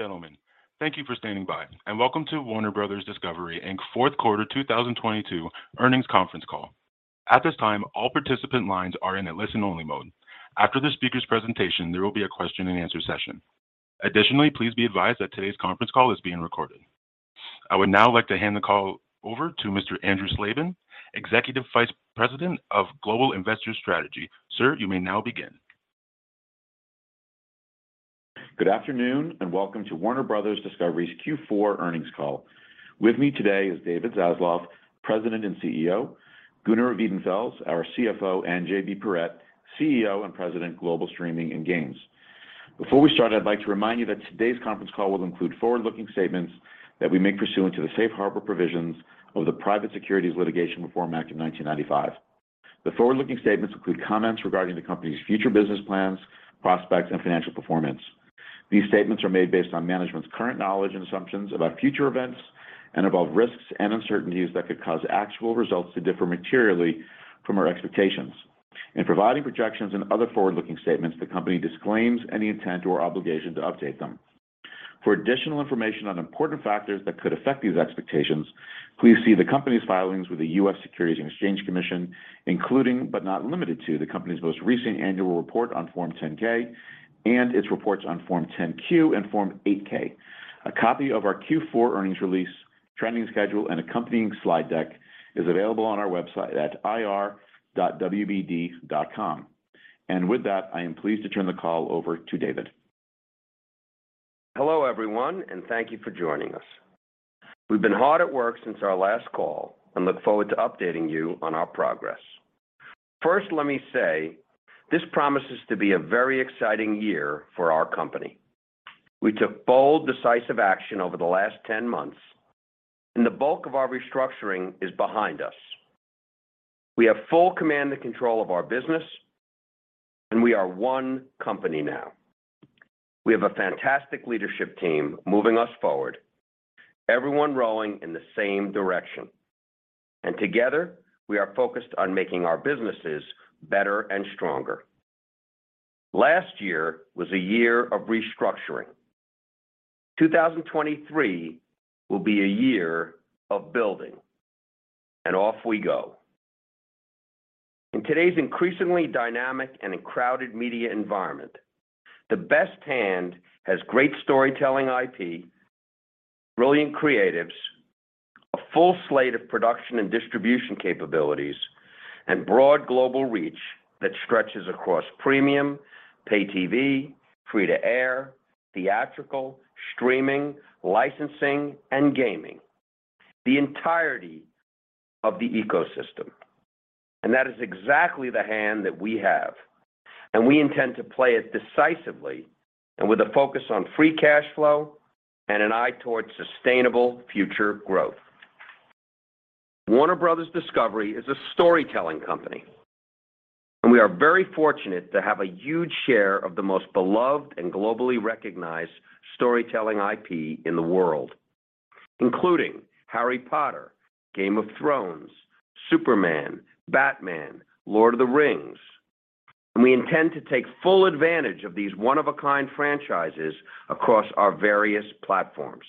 Gentlemen, thank you for standing by, and welcome to Warner Bros. Discovery and Fourth Quarter 2022 Earnings Conference Call. At this time, all participant lines are in a listen-only mode. After the speaker's presentation, there will be a question-and-answer session. Additionally, please be advised that today's conference call is being recorded. I would now like to hand the call over to Mr. Andrew Slabin, Executive Vice President of Global Investor Strategy. Sir, you may now begin. Good afternoon, and welcome to Warner Bros. Discovery's Q4 earnings call. With me today is David Zaslav, President and CEO, Gunnar Wiedenfels, our CFO, and JB Perrette, CEO and President, Global Streaming and Games. Before we start, I'd like to remind you that today's conference call will include forward-looking statements that we make pursuant to the Safe Harbor Provisions of the Private Securities Litigation Reform Act of 1995. The forward-looking statements include comments regarding the company's future business plans, prospects, and financial performance. These statements are made based on management's current knowledge and assumptions about future events and about risks and uncertainties that could cause actual results to differ materially from our expectations. In providing projections and other forward-looking statements, the company disclaims any intent or obligation to update them. For additional information on important factors that could affect these expectations, please see the company's filings with the US Securities and Exchange Commission, including, but not limited to, the company's most recent annual report on Form 10-K and its reports on Form 10-Q and Form 8-K. A copy of our Q4 earnings release, trending schedule, and accompanying slide deck is available on our website at ir.wbd.com. With that, I am pleased to turn the call over to David. Hello, everyone. Thank you for joining us. We've been hard at work since our last call and look forward to updating you on our progress. First, let me say this promises to be a very exciting year for our company. We took bold, decisive action over the last 10 months. The bulk of our restructuring is behind us. We have full command and control of our business. We are one company now. We have a fantastic leadership team moving us forward, everyone rowing in the same direction. Together we are focused on making our businesses better and stronger. Last year was a year of restructuring. 2023 will be a year of building. Off we go. In today's increasingly dynamic and crowded media environment, the best hand has great storytelling IP, brilliant creatives, a full slate of production and distribution capabilities, and broad global reach that stretches across premium, pay TV, free-to-air, theatrical, streaming, licensing, and gaming, the entirety of the ecosystem. That is exactly the hand that we have, and we intend to play it decisively and with a focus on free cash flow and an eye towards sustainable future growth. Warner Bros. Discovery is a storytelling company, and we are very fortunate to have a huge share of the most beloved and globally recognized storytelling IP in the world, including Harry Potter, Game of Thrones, Superman, Batman, Lord of the Rings, and we intend to take full advantage of these one-of-a-kind franchises across our various platforms.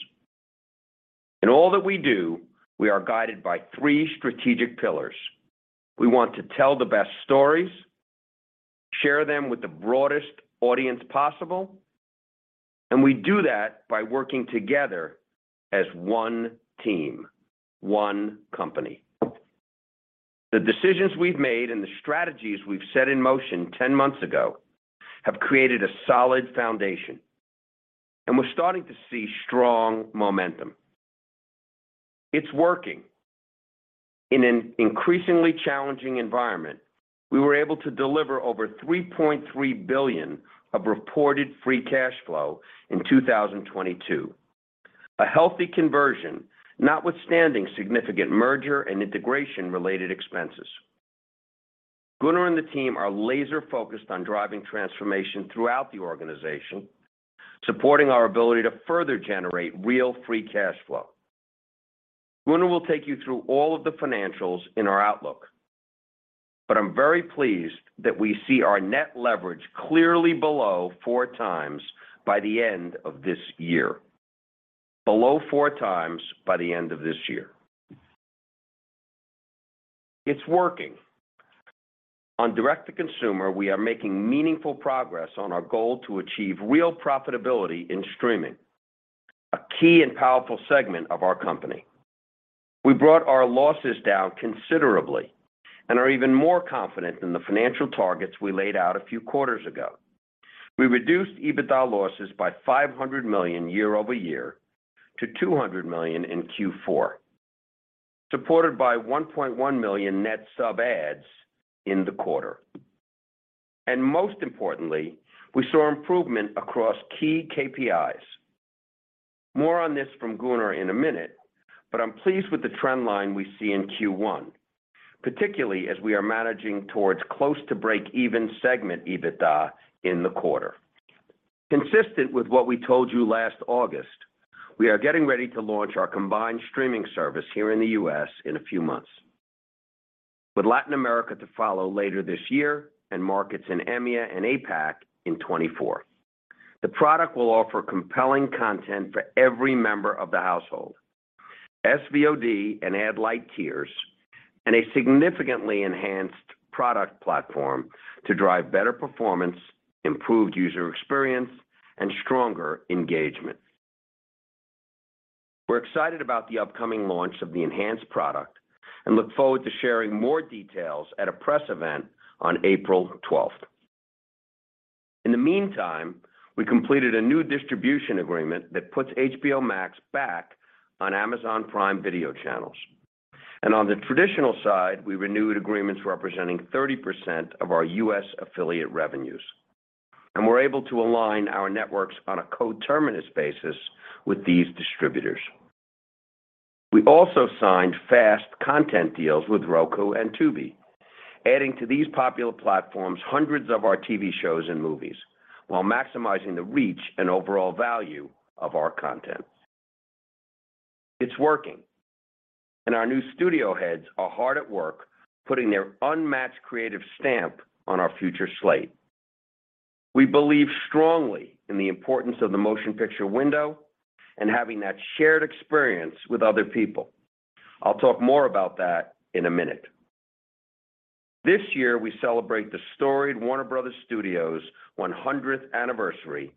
In all that we do, we are guided by three strategic pillars. We want to tell the best stories, share them with the broadest audience possible, we do that by working together as one team, one company. The decisions we've made and the strategies we've set in motion 10 months ago have created a solid foundation, we're starting to see strong momentum. It's working. In an increasingly challenging environment, we were able to deliver over $3.3 billion of reported free cash flow in 2022. A healthy conversion notwithstanding significant merger and integration related expenses. Gunnar and the team are laser-focused on driving transformation throughout the organization, supporting our ability to further generate real free cash flow. Gunnar will take you through all of the financials in our outlook, I'm very pleased that we see our net leverage clearly below 4x by the end of this year. Below 4x by the end of this year. It's working. On direct to consumer, we are making meaningful progress on our goal to achieve real profitability in streaming, a key and powerful segment of our company. We brought our losses down considerably and are even more confident in the financial targets we laid out a few quarters ago. We reduced EBITDA losses by $500 million year-over-year to $200 million in Q4, supported by 1.1 million net sub adds in the quarter. Most importantly, we saw improvement across key KPIs. More on this from Gunnar in a minute, but I'm pleased with the trend line we see in Q1, particularly as we are managing towards close to break even segment EBITDA in the quarter. Consistent with what we told you last August, we are getting ready to launch our combined streaming service here in the U.S. in a few months. With Latin America to follow later this year and markets in EMEA and APAC in 2024. The product will offer compelling content for every member of the household, SVOD and ad-light tiers, and a significantly enhanced product platform to drive better performance, improved user experience, and stronger engagement. We're excited about the upcoming launch of the enhanced product and look forward to sharing more details at a press event on April 12th. In the meantime, we completed a new distribution agreement that puts HBO Max back on Amazon Prime Video channels. On the traditional side, we renewed agreements representing 30% of our U.S. affiliate revenues, and we're able to align our networks on a co-terminus basis with these distributors. We also signed FAST content deals with Roku and Tubi, adding to these popular platforms hundreds of our TV shows and movies while maximizing the reach and overall value of our content. It's working, and our new studio heads are hard at work putting their unmatched creative stamp on our future slate. We believe strongly in the importance of the motion picture window and having that shared experience with other people. I'll talk more about that in a minute. This year, we celebrate the storied Warner Bros. Studios 100th anniversary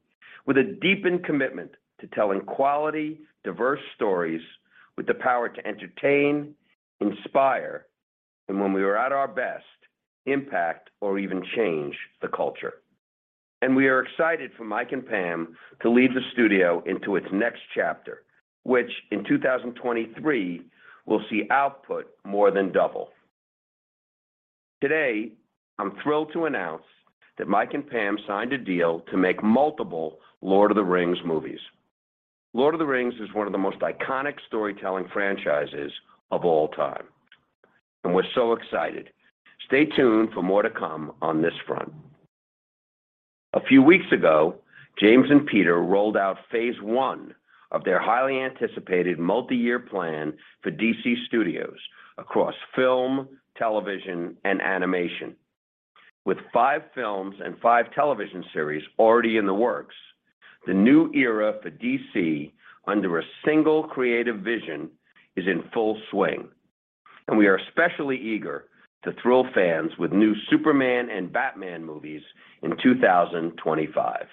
with a deepened commitment to telling quality, diverse stories with the power to entertain, inspire, and when we are at our best, impact or even change the culture. We are excited for Mike and Pam to lead the studio into its next chapter, which in 2023, will see output more than double. Today, I'm thrilled to announce that Mike and Pam signed a deal to make multiple Lord of the Rings movies. Lord of the Rings is one of the most iconic storytelling franchises of all time, and we're so excited. Stay tuned for more to come on this front. A few weeks ago, James and Peter rolled out phase one of their highly anticipated multi-year plan for DC Studios across film, television, and animation. With five films and five television series already in the works, the new era for DC under a single creative vision is in full swing, and we are especially eager to thrill fans with new Superman and Batman movies in 2025.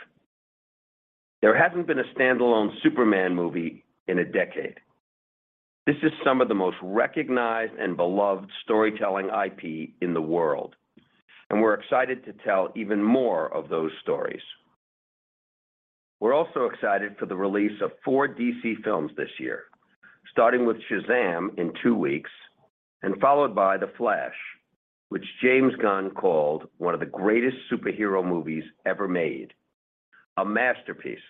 There hasn't been a standalone Superman movie in a decade. This is some of the most recognized and beloved storytelling IP in the world, we're excited to tell even more of those stories. We're also excited for the release of four DC films this year, starting with Shazam! in two weeks and followed by The Flash, which James Gunn called one of the greatest superhero movies ever made, a masterpiece.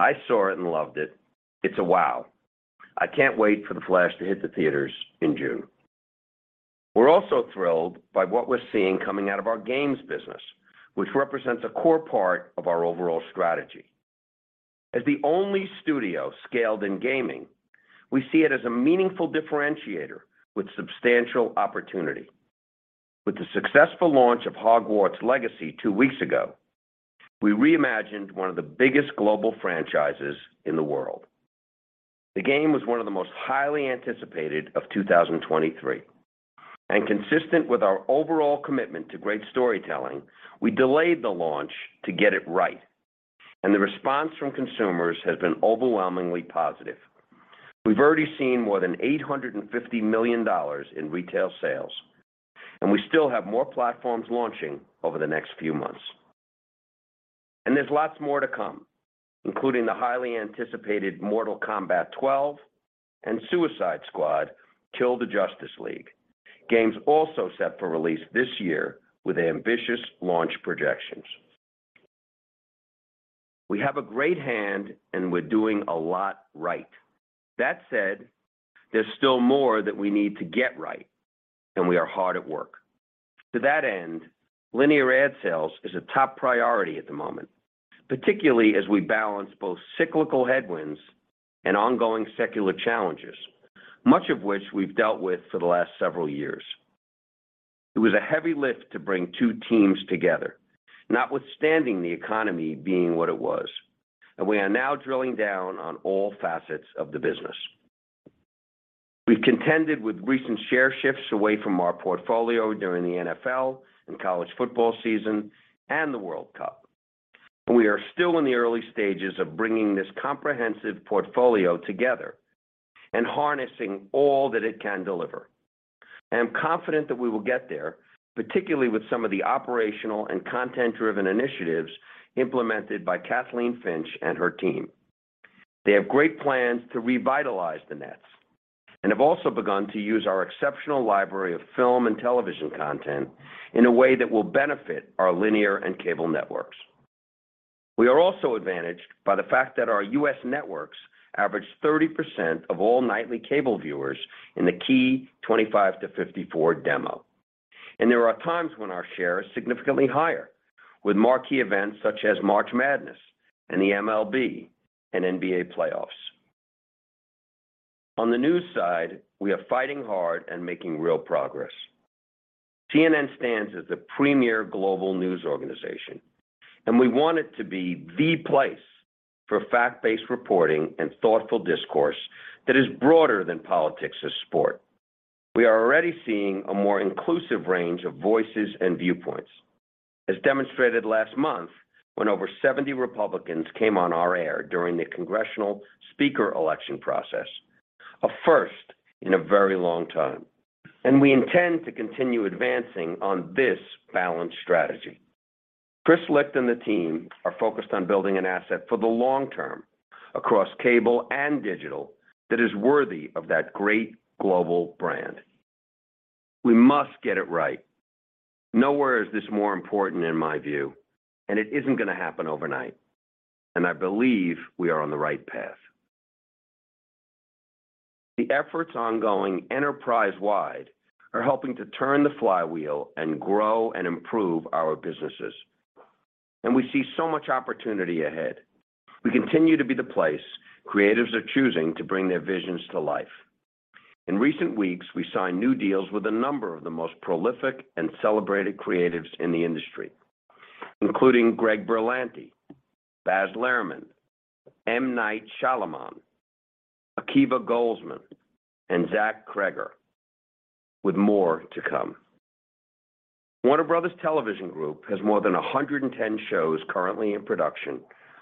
I saw it and loved it. It's a wow. I can't wait for The Flash to hit the theaters in June. We're also thrilled by what we're seeing coming out of our games business, which represents a core part of our overall strategy. As the only studio scaled in gaming, we see it as a meaningful differentiator with substantial opportunity. With the successful launch of Hogwarts Legacy two weeks ago, we reimagined one of the biggest global franchises in the world. The game was one of the most highly anticipated of 2023. Consistent with our overall commitment to great storytelling, we delayed the launch to get it right, and the response from consumers has been overwhelmingly positive. We've already seen more than $850 million in retail sales, and we still have more platforms launching over the next few months. There's lots more to come, including the highly anticipated Mortal Kombat 12 and Suicide Squad: Kill the Justice League. Games also set for release this year with ambitious launch projections. We have a great hand, and we're doing a lot right. That said, there's still more that we need to get right, and we are hard at work. To that end, linear ad sales is a top priority at the moment, particularly as we balance both cyclical headwinds and ongoing secular challenges, much of which we've dealt with for the last several years. It was a heavy lift to bring two teams together, notwithstanding the economy being what it was, and we are now drilling down on all facets of the business. We've contended with recent share shifts away from our portfolio during the NFL and college football season and the World Cup. We are still in the early stages of bringing this comprehensive portfolio together and harnessing all that it can deliver. I am confident that we will get there, particularly with some of the operational and content-driven initiatives implemented by Kathleen Finch and her team. They have great plans to revitalize the nets and have also begun to use our exceptional library of film and television content in a way that will benefit our linear and cable networks. We are also advantaged by the fact that our U.S. Networks average 30% of all nightly cable viewers in the key 25-54 demo. There are times when our share is significantly higher with marquee events such as March Madness and the MLB and NBA playoffs. On the news side, we are fighting hard and making real progress. CNN stands as a premier global news organization, and we want it to be the place for fact-based reporting and thoughtful discourse that is broader than politics or sport. We are already seeing a more inclusive range of voices and viewpoints. As demonstrated last month when over 70 Republicans came on our air during the congressional speaker election process, a first in a very long time. We intend to continue advancing on this balanced strategy. Chris Licht and the team are focused on building an asset for the long term across cable and digital that is worthy of that great global brand. We must get it right. Nowhere is this more important in my view, and it isn't gonna happen overnight. I believe we are on the right path. The efforts ongoing enterprise-wide are helping to turn the flywheel and grow and improve our businesses. We see so much opportunity ahead. We continue to be the place creatives are choosing to bring their visions to life. In recent weeks, we signed new deals with a number of the most prolific and celebrated creatives in the industry, including Greg Berlanti, Baz Luhrmann, M. Night Shyamalan, Akiva Goldsman, and Zach Cregger, with more to come. Warner Bros. Television Group has more than 110 shows currently in production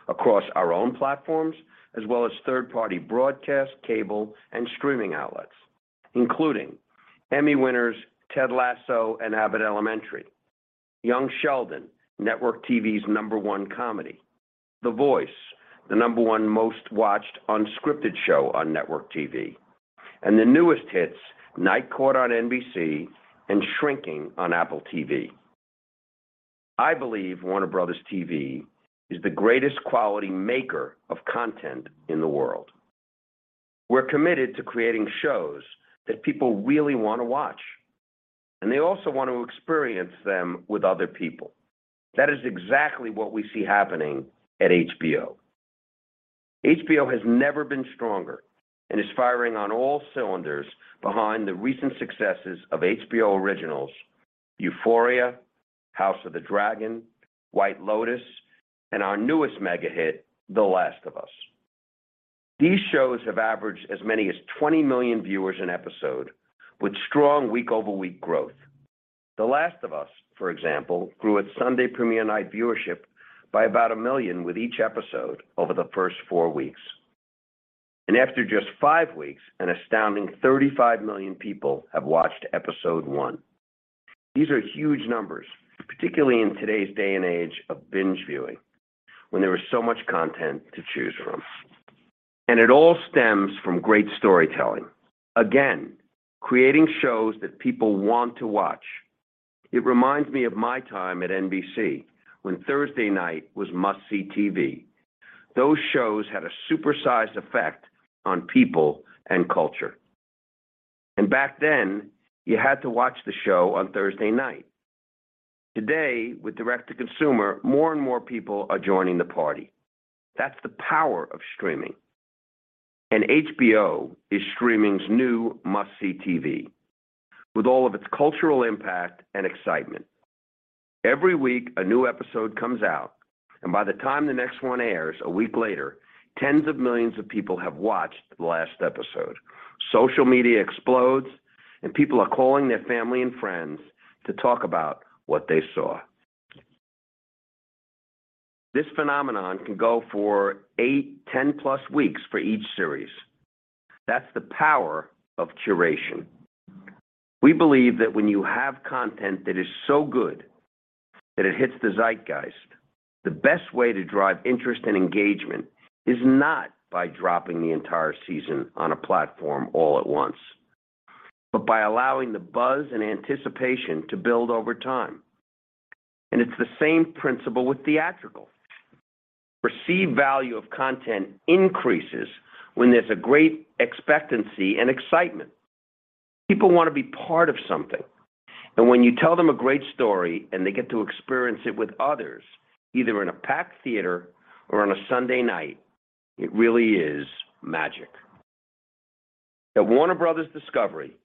across our own platforms, as well as third-party broadcast, cable, and streaming outlets, including Emmy winners Ted Lasso and Abbott Elementary, Young Sheldon, network TV's number one comedy, The Voice, the number one most-watched unscripted show on network TV, and the newest hits, Night Court on NBC and Shrinking on Apple TV. I believe Warner Bros. TV is the greatest quality maker of content in the world. We're committed to creating shows that people really wanna watch, and they also want to experience them with other people. That is exactly what we see happening at HBO. HBO has never been stronger and is firing on all cylinders behind the recent successes of HBO originals Euphoria, House of the Dragon, The White Lotus and our newest mega hit, The Last of Us. These shows have averaged as many as 20 million viewers an episode with strong week-over-week growth. The Last of Us, for example, grew its Sunday premiere night viewership by about 1 million with each episode over the first four weeks. After just five weeks, an astounding 35 million people have watched episode one. These are huge numbers, particularly in today's day and age of binge viewing, when there is so much content to choose from. It all stems from great storytelling. Again, creating shows that people want to watch. It reminds me of my time at NBC when Thursday night was must-see TV. Those shows had a supersized effect on people and culture. Back then, you had to watch the show on Thursday night. Today, with direct-to-consumer, more and more people are joining the party. That's the power of streaming. HBO is streaming's new must-see TV with all of its cultural impact and excitement. Every week, a new episode comes out, and by the time the next one airs a week later, tens of millions of people have watched the last episode. Social media explodes, and people are calling their family and friends to talk about what they saw. This phenomenon can go for eight, 10± weeks for each series. That's the power of curation. We believe that when you have content that is so good that it hits the zeitgeist, the best way to drive interest and engagement is not by dropping the entire season on a platform all at once, but by allowing the buzz and anticipation to build over time. It's the same principle with theatrical. Perceived value of content increases when there's a great expectancy and excitement. People wanna be part of something. When you tell them a great story and they get to experience it with others, either in a packed theater or on a Sunday night, it really is magic. At Warner Bros. Discovery,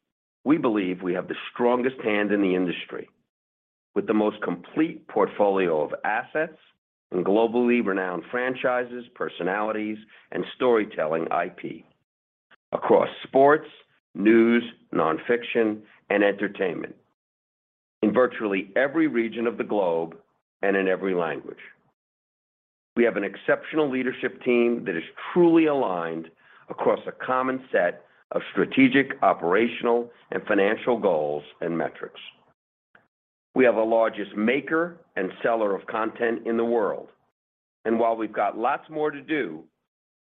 we believe we have the strongest hand in the industry with the most complete portfolio of assets and globally renowned franchises, personalities, and storytelling IP across sports, news, nonfiction, and entertainment in virtually every region of the globe and in every language. We have an exceptional leadership team that is truly aligned across a common set of strategic, operational, and financial goals and metrics. While we've got lots more to do,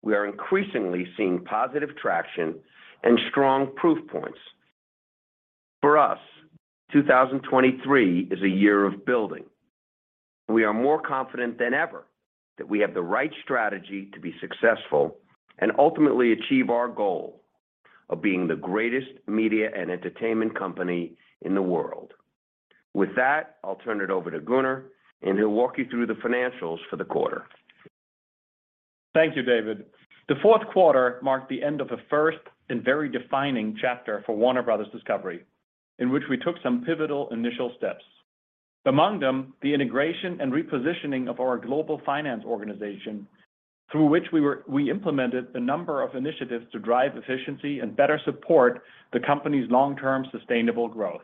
we are increasingly seeing positive traction and strong proof points. For us, 2023 is a year of building. We are more confident than ever that we have the right strategy to be successful and ultimately achieve our goal of being the greatest media and entertainment company in the world. With that, I'll turn it over to Gunnar, and he'll walk you through the financials for the quarter. Thank you, David. The fourth quarter marked the end of a first and very defining chapter for Warner Bros. Discovery, in which we took some pivotal initial steps. Among them, the integration and repositioning of our global finance organization through which we implemented a number of initiatives to drive efficiency and better support the company's long-term sustainable growth.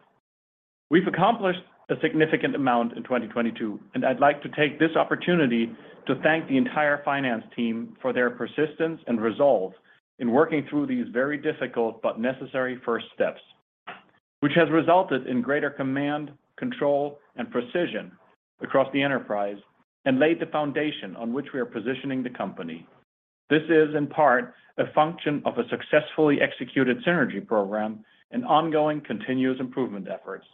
We've accomplished a significant amount in 2022, and I'd like to take this opportunity to thank the entire finance team for their persistence and resolve in working through these very difficult but necessary first steps, which has resulted in greater command, control, and precision across the enterprise and laid the foundation on which we are positioning the company. This is, in part, a function of a successfully executed synergy program and ongoing continuous improvement efforts.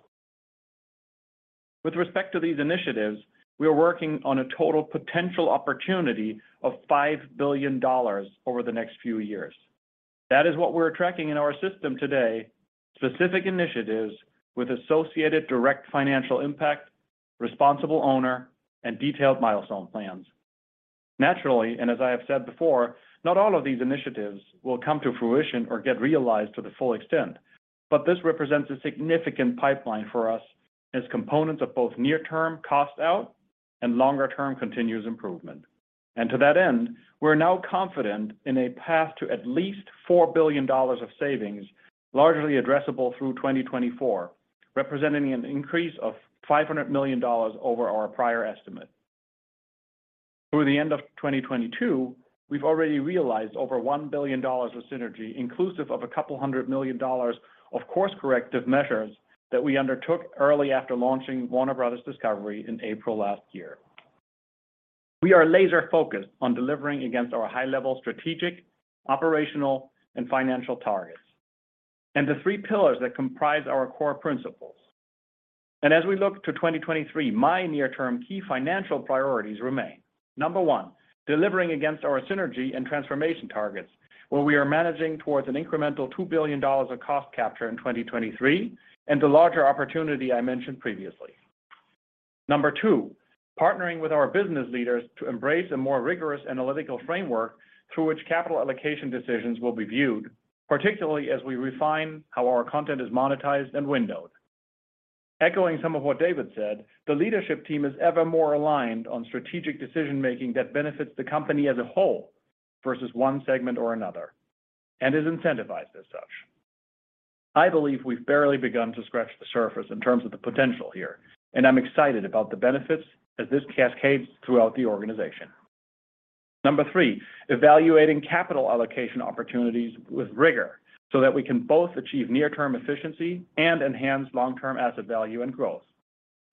With respect to these initiatives, we are working on a total potential opportunity of $5 billion over the next few years. That is what we're tracking in our system today, specific initiatives with associated direct financial impact, responsible owner, and detailed milestone plans. Naturally, and as I have said before, not all of these initiatives will come to fruition or get realized to the full extent, but this represents a significant pipeline for us as components of both near-term cost out and longer-term continuous improvement. To that end, we're now confident in a path to at least $4 billion of savings, largely addressable through 2024, representing an increase of $500 million over our prior estimate. Through the end of 2022, we've already realized over $1 billion of synergy, inclusive of a couple hundred million dollars of course-corrective measures that we undertook early after launching Warner Bros. Discovery in April last year. We are laser focused on delivering against our high-level strategic, operational, and financial targets and the three pillars that comprise our core principles. As we look to 2023, my near-term key financial priorities remain. Number one, delivering against our synergy and transformation targets, where we are managing towards an incremental $2 billion of cost capture in 2023 and the larger opportunity I mentioned previously. Number two, partnering with our business leaders to embrace a more rigorous analytical framework through which capital allocation decisions will be viewed, particularly as we refine how our content is monetized and windowed. Echoing some of what David said, the leadership team is ever more aligned on strategic decision-making that benefits the company as a whole versus one segment or another and is incentivized as such. I believe we've barely begun to scratch the surface in terms of the potential here, and I'm excited about the benefits as this cascades throughout the organization. Number three, evaluating capital allocation opportunities with rigor so that we can both achieve near-term efficiency and enhance long-term asset value and growth.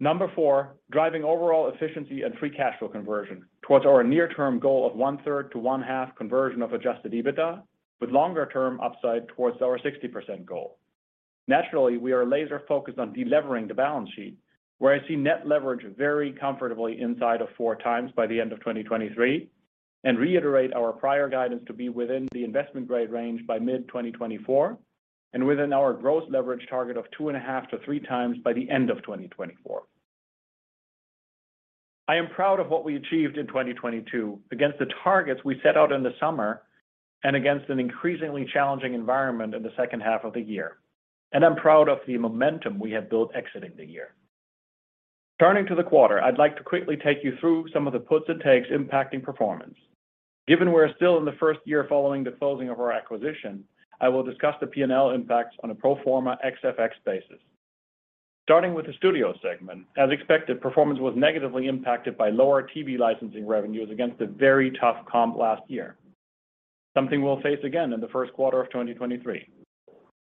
Number four, driving overall efficiency and free cash flow conversion towards our near-term goal of 1/3 to 1/2 conversion of adjusted EBITDA, with longer-term upside towards our 60% goal. Naturally, we are laser focused on delevering the balance sheet, where I see net leverage very comfortably inside of 4x by the end of 2023 and reiterate our prior guidance to be within the investment grade range by mid-2024 and within our gross leverage target of 2.5x- 3x by the end of 2024. I am proud of what we achieved in 2022 against the targets we set out in the summer and against an increasingly challenging environment in the second half of the year. I'm proud of the momentum we have built exiting the year. Turning to the quarter, I'd like to quickly take you through some of the puts it takes impacting performance. Given we're still in the first year following the closing of our acquisition, I will discuss the P&L impacts on a pro forma XFX basis. Starting with the studio segment, as expected, performance was negatively impacted by lower TV licensing revenues against a very tough comp last year. Something we'll face again in the first quarter of 2023.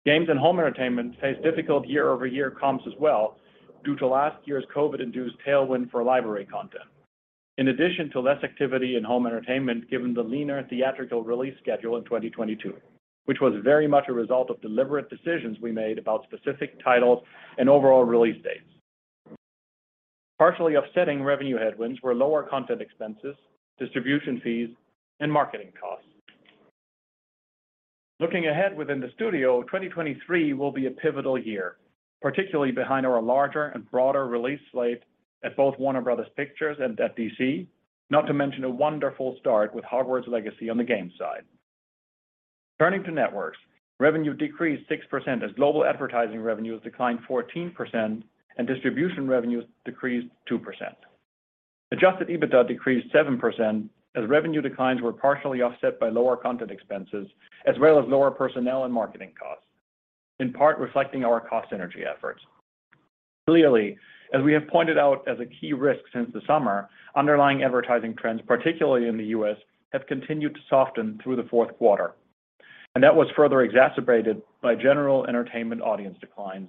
Games and home entertainment faced difficult year-over-year comps as well due to last year's COVID-induced tailwind for library content. In addition to less activity in home entertainment, given the leaner theatrical release schedule in 2022, which was very much a result of deliberate decisions we made about specific titles and overall release dates. Partially offsetting revenue headwinds were lower content expenses, distribution fees, and marketing costs. Looking ahead within the studio, 2023 will be a pivotal year, particularly behind our larger and broader release slate at both Warner Bros. Pictures and at DC. Not to mention a wonderful start with Hogwarts Legacy on the game side. Turning to networks, revenue decreased 6% as global advertising revenues declined 14% and distribution revenues decreased 2%. Adjusted EBITDA decreased 7% as revenue declines were partially offset by lower content expenses as well as lower personnel and marketing costs, in part reflecting our cost synergy efforts. Clearly, as we have pointed out as a key risk since the summer, underlying advertising trends, particularly in the U.S., have continued to soften through the fourth quarter. That was further exacerbated by general entertainment audience declines.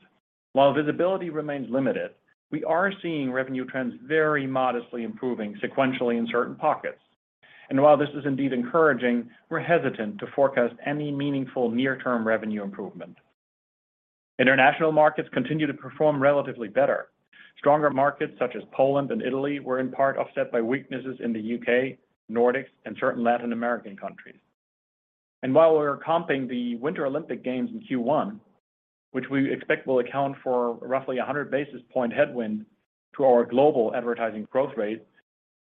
While visibility remains limited, we are seeing revenue trends very modestly improving sequentially in certain pockets. While this is indeed encouraging, we're hesitant to forecast any meaningful near-term revenue improvement. International markets continue to perform relatively better. Stronger markets such as Poland and Italy were in part offset by weaknesses in the U.K., Nordics, and certain Latin American countries. While we're comping the Winter Olympic Games in Q1, which we expect will account for roughly 100 basis point headwind to our global advertising growth rate,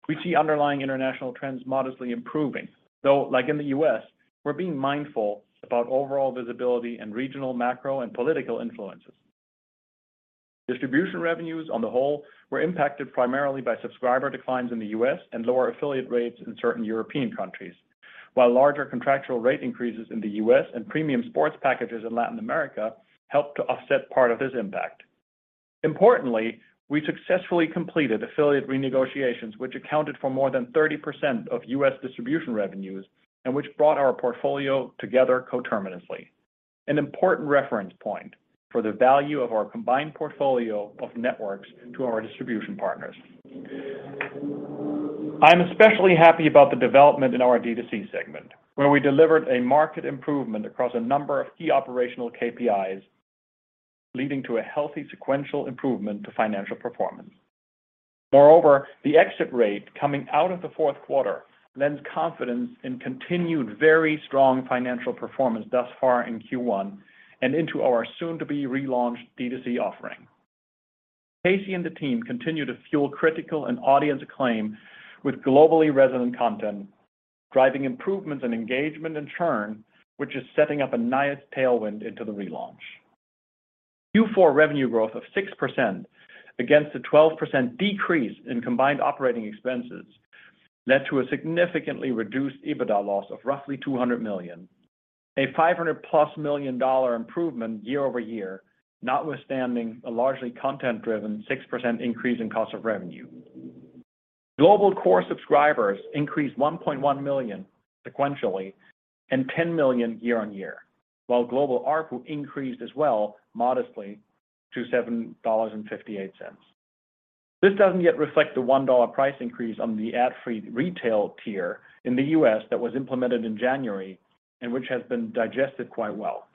we see underlying international trends modestly improving. Though, like in the U.S. we're being mindful about overall visibility and regional macro and political influences. Distribution revenues on the whole were impacted primarily by subscriber declines in the US and lower affiliate rates in certain European countries. While larger contractual rate increases in the U.S. and premium sports packages in Latin America helped to offset part of this impact. Importantly, we successfully completed affiliate renegotiations, which accounted for more than 30% of U.S. distribution revenues and which brought our portfolio together coterminously. An important reference point for the value of our combined portfolio of networks to our distribution partners. I'm especially happy about the development in our D2C segment, where we delivered a market improvement across a number of key operational KPIs, leading to a healthy sequential improvement to financial performance. Moreover, the exit rate coming out of the fourth quarter lends confidence in continued very strong financial performance thus far in Q1 and into our soon-to-be-relaunched D2C offering. Casey and the team continue to fuel critical and audience acclaim with globally resonant content, driving improvements in engagement and churn, which is setting up a nice tailwind into the relaunch. Q4 revenue growth of 6% against a 12% decrease in combined operating expenses led to a significantly reduced EBITDA loss of roughly $200 million, a $500+ million improvement year-over-year, notwithstanding a largely content-driven 6% increase in cost of revenue. Global core subscribers increased 1.1 million sequentially and 10 million year-on-year, while global ARPU increased as well modestly to $7.58. This doesn't yet reflect the $1 price increase on the ad-free retail tier in the US that was implemented in January and which has been digested quite well.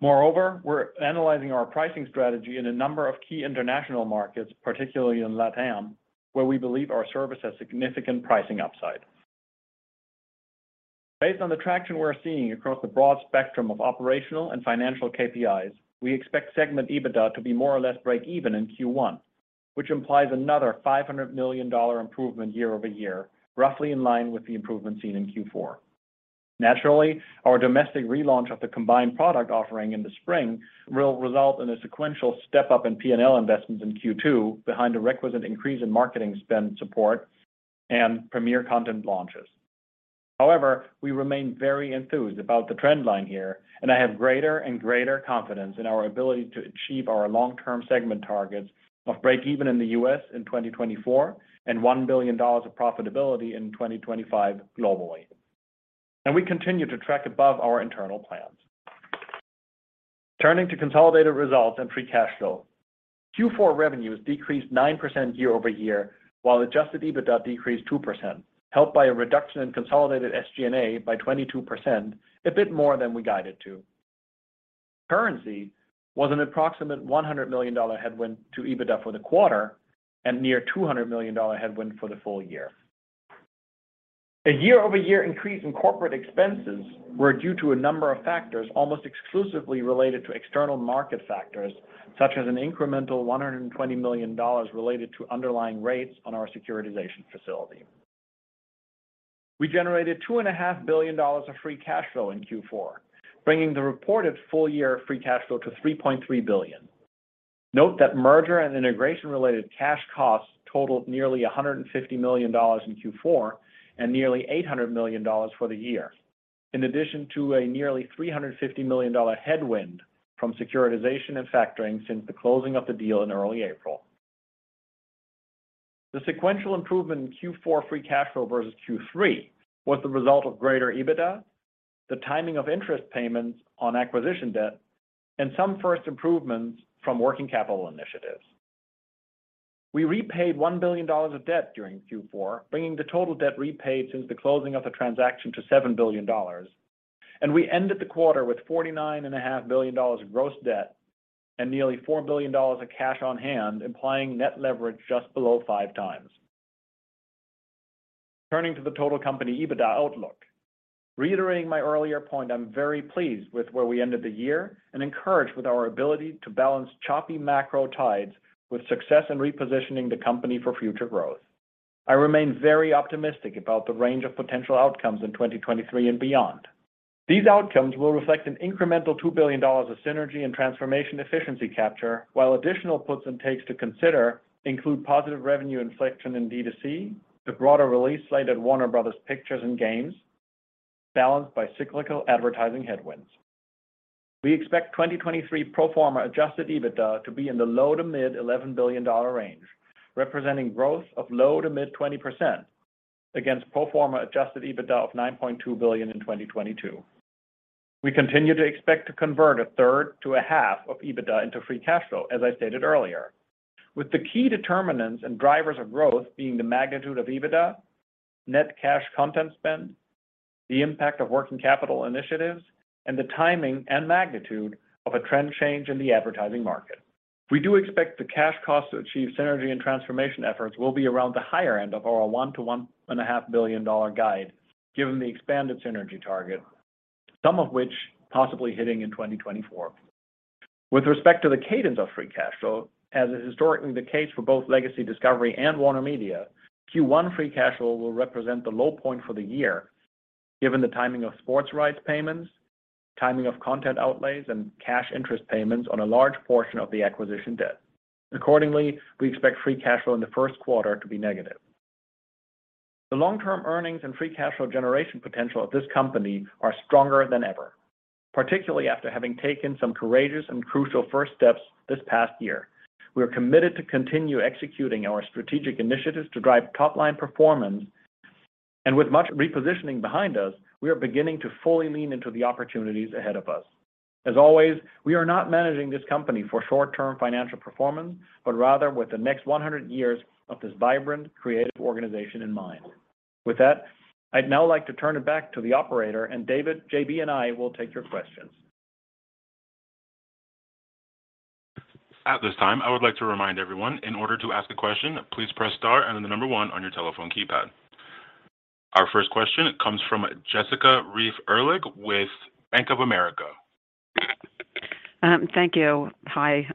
Moreover, we're analyzing our pricing strategy in a number of key international markets, particularly in LATAM, where we believe our service has significant pricing upside. Based on the traction we're seeing across the broad spectrum of operational and financial KPIs, we expect segment EBITDA to be more or less break even in Q1, which implies another $500 million improvement year-over-year, roughly in line with the improvement seen in Q4. Naturally, our domestic relaunch of the combined product offering in the spring will result in a sequential step-up in P&L investments in Q2 behind a requisite increase in marketing spend support and premier content launches. We remain very enthused about the trend line here, and I have greater and greater confidence in our ability to achieve our long-term segment targets of break even in the U.S. in 2024 and $1 billion of profitability in 2025 globally. We continue to track above our internal plans. Turning to consolidated results and free cash flow. Q4 revenues decreased 9% year-over-year, while adjusted EBITDA decreased 2%, helped by a reduction in consolidated SG&A by 22%, a bit more than we guided to. Currency was an approximate $100 million headwind to EBITDA for the quarter and near $200 million headwind for the full year. A year-over-year increase in corporate expenses were due to a number of factors almost exclusively related to external market factors, such as an incremental $120 million related to underlying rates on our securitization facility. We generated two and a half billion dollars of free cash flow in Q4, bringing the reported full year free cash flow to $3.3 billion. Note that merger and integration related cash costs totaled nearly $150 million in Q4 and nearly $800 million for the year. In addition to a nearly $350 million headwind from securitization and factoring since the closing of the deal in early April. The sequential improvement in Q4 free cash flow versus Q3 was the result of greater EBITDA, the timing of interest payments on acquisition debt, and some first improvements from working capital initiatives. We repaid $1 billion of debt during Q4, bringing the total debt repaid since the closing of the transaction to $7 billion. We ended the quarter with $49.5 billion of gross debt and nearly $4 billion of cash on hand, implying net leverage just below 5x. Turning to the total company EBITDA outlook. Reiterating my earlier point, I'm very pleased with where we ended the year and encouraged with our ability to balance choppy macro tides with success in repositioning the company for future growth. I remain very optimistic about the range of potential outcomes in 2023 and beyond. These outcomes will reflect an incremental $2 billion of synergy and transformation efficiency capture, while additional puts and takes to consider include positive revenue inflation in D2C, the broader release slate at Warner Bros. Pictures and games, balanced by cyclical advertising headwinds. We expect 2023 pro forma adjusted EBITDA to be in the low to mid $11 billion range, representing growth of low to mid 20% against pro forma adjusted EBITDA of $9.2 billion in 2022. We continue to expect to convert a third to a half of EBITDA into free cash flow, as I stated earlier, with the key determinants and drivers of growth being the magnitude of EBITDA, net cash content spend, the impact of working capital initiatives and the timing and magnitude of a trend change in the advertising market. We do expect the cash cost to achieve synergy and transformation efforts will be around the higher end of our $1 billion-$1.5 billion guide, given the expanded synergy target, some of which possibly hitting in 2024. With respect to the cadence of free cash flow, as is historically the case for both legacy Discovery and WarnerMedia, Q1 free cash flow will represent the low point for the year, given the timing of sports rights payments, timing of content outlays, and cash interest payments on a large portion of the acquisition debt. We expect free cash flow in the first quarter to be negative. The long-term earnings and free cash flow generation potential of this company are stronger than ever, particularly after having taken some courageous and crucial first steps this past year. We are committed to continue executing our strategic initiatives to drive top-line performance. With much repositioning behind us, we are beginning to fully lean into the opportunities ahead of us. As always, we are not managing this company for short-term financial performance, but rather with the next 100 years of this vibrant, creative organization in mind. With that, I'd now like to turn it back to the operator, and David, JB, and I will take your questions. At this time, I would like to remind everyone in order to ask a question, please press star and then the number one on your telephone keypad. Our first question comes from Jessica Reif Ehrlich with Bank of America. Thank you. Hi.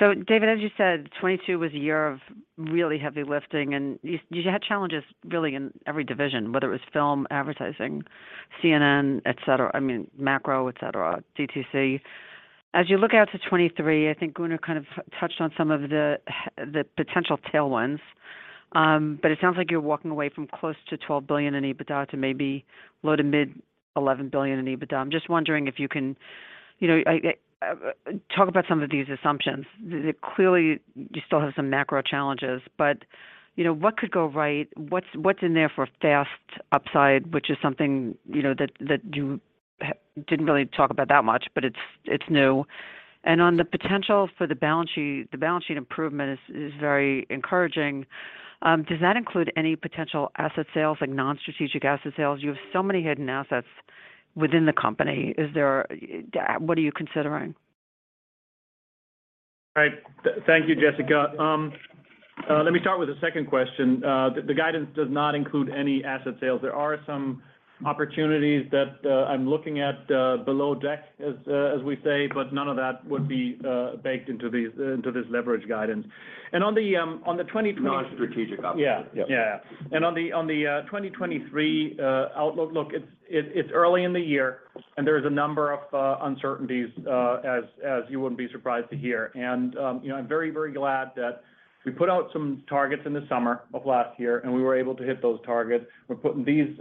David, as you said, 2022 was a year of really heavy lifting, and you had challenges really in every division, whether it was film, advertising, CNN, et cetera, I mean, macro, et cetera, D2C. As you look out to 2023, I think Gunnar kind of touched on some of the potential tailwinds, but it sounds like you're walking away from close to $12 billion in EBITDA to maybe low to mid $11 billion in EBITDA. I'm just wondering if you can, you know, talk about some of these assumptions. Clearly, you still have some macro challenges, but, you know, what could go right? What's in there for FAST upside, which is something, you know, that you didn't really talk about that much, but it's new. On the potential for the balance sheet, the balance sheet improvement is very encouraging. Does that include any potential asset sales, like non-strategic asset sales? You have so many hidden assets within the company. What are you considering? All right. Thank you, Jessica. Let me start with the second question. The guidance does not include any asset sales. There are some opportunities that I'm looking at below deck, as we say, but none of that would be baked into this leverage guidance. On the 2020- Non-strategic assets. Yeah. Yeah. On the 2023 outlook, it's early in the year and there's a number of uncertainties as you wouldn't be surprised to hear. You know, I'm very, very glad that we put out some targets in the summer of last year, and we were able to hit those targets. We're putting these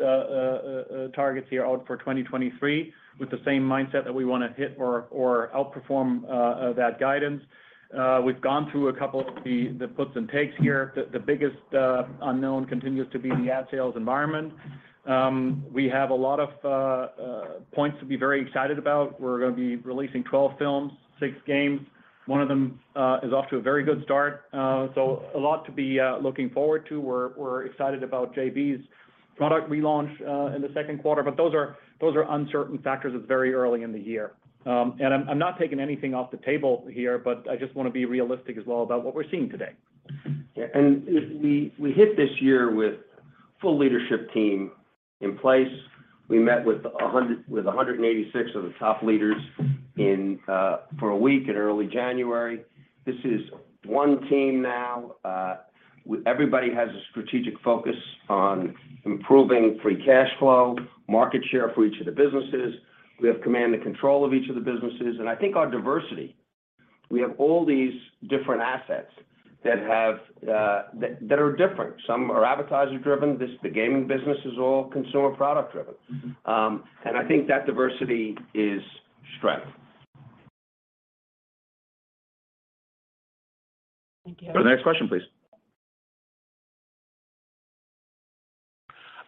targets here out for 2023 with the same mindset that we wanna hit or outperform that guidance. We've gone through a couple of the puts and takes here. The biggest unknown continues to be the ad sales environment. We have a lot of points to be very excited about. We're gonna be releasing 12 films, six games. One of them is off to a very good start. A lot to be looking forward to. We're excited about JB's product relaunch in the second quarter. Those are uncertain factors. It's very early in the year. I'm not taking anything off the table here, but I just wanna be realistic as well about what we're seeing today. Yeah. We hit this year with full leadership team in place. We met with 186 of the top leaders in for a week in early January. This is one team now. Everybody has a strategic focus on improving free cash flow, market share for each of the businesses. We have command and control of each of the businesses. I think our diversity, we have all these different assets that are different. Some are advertiser driven. The gaming business is all consumer product driven. I think that diversity is strength. Thank you. The next question, please.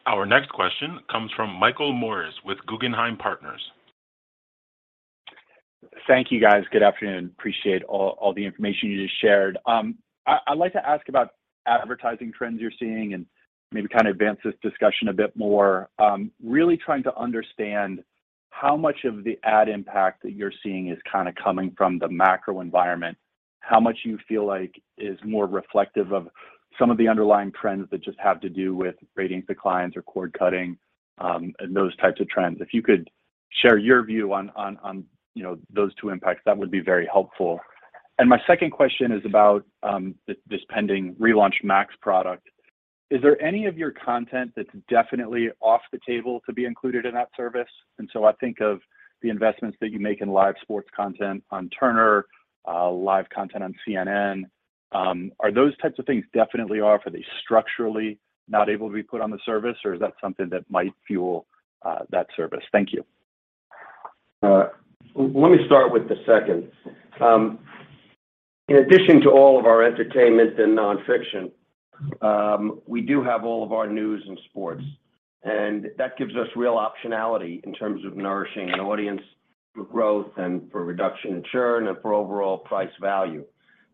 Our next question comes from Michael Morris with Guggenheim Partners. Thank you, guys. Good afternoon. Appreciate all the information you just shared. I'd like to ask about advertising trends you're seeing and maybe kind of advance this discussion a bit more. Really trying to understand how much of the ad impact that you're seeing is kinda coming from the macro environment, how much you feel like is more reflective of some of the underlying trends that just have to do with ratings declines or cord cutting, and those types of trends. If you could share your view on, you know, those two impacts, that would be very helpful. My second question is about this pending Relaunch Max product. Is there any of your content that's definitely off the table to be included in that service? I think of the investments that you make in live sports content on Turner, live content on CNN, are those types of things definitely off? Are they structurally not able to be put on the service, or is that something that might fuel that service? Thank you. Let me start with the second. In addition to all of our entertainment and nonfiction, we do have all of our news and sports. That gives us real optionality in terms of nourishing an audience for growth and for reduction in churn and for overall price value.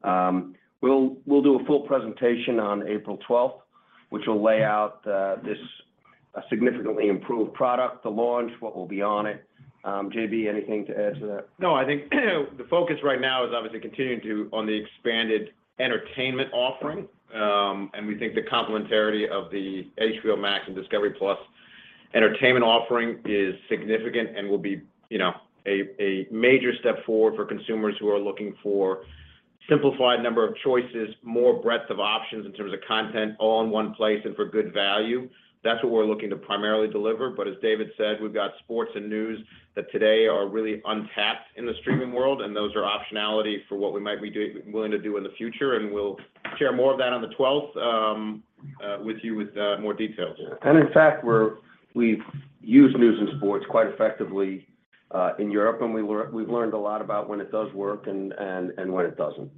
We'll do a full presentation on April 12th, which will lay out this significantly improved product, the launch, what will be on it. JB, anything to add to that? I think the focus right now is obviously continuing to on the expanded entertainment offering. We think the complementarity of the HBO Max and discovery+ entertainment offering is significant and will be, you know, a major step forward for consumers who are looking for simplified number of choices, more breadth of options in terms of content all in one place and for good value. That's what we're looking to primarily deliver. As David said, we've got sports and news that today are really untapped in the streaming world, and those are optionality for what we might be willing to do in the future. We'll share more of that on the twelfth with you with more details. In fact, we've used news and sports quite effectively in Europe, and we've learned a lot about when it does work and when it doesn't.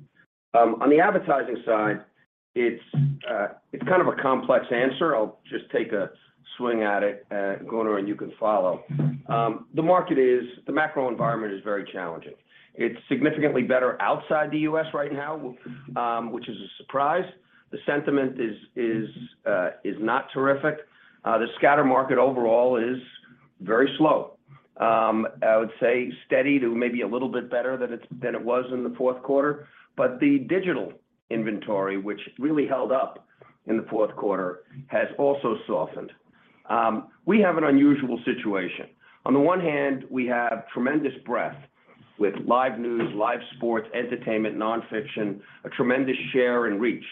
On the advertising side, it's kind of a complex answer. I'll just take a swing at it, Gunnar and you can follow. The macro environment is very challenging. It's significantly better outside the US right now, which is a surprise. The sentiment is not terrific. The scatter market overall is very slow. I would say steady to maybe a little bit better than it was in the fourth quarter. The digital inventory, which really held up in the fourth quarter, has also softened. We have an unusual situation. On the one hand, we have tremendous breadth with live news, live sports, entertainment, nonfiction, a tremendous share and reach.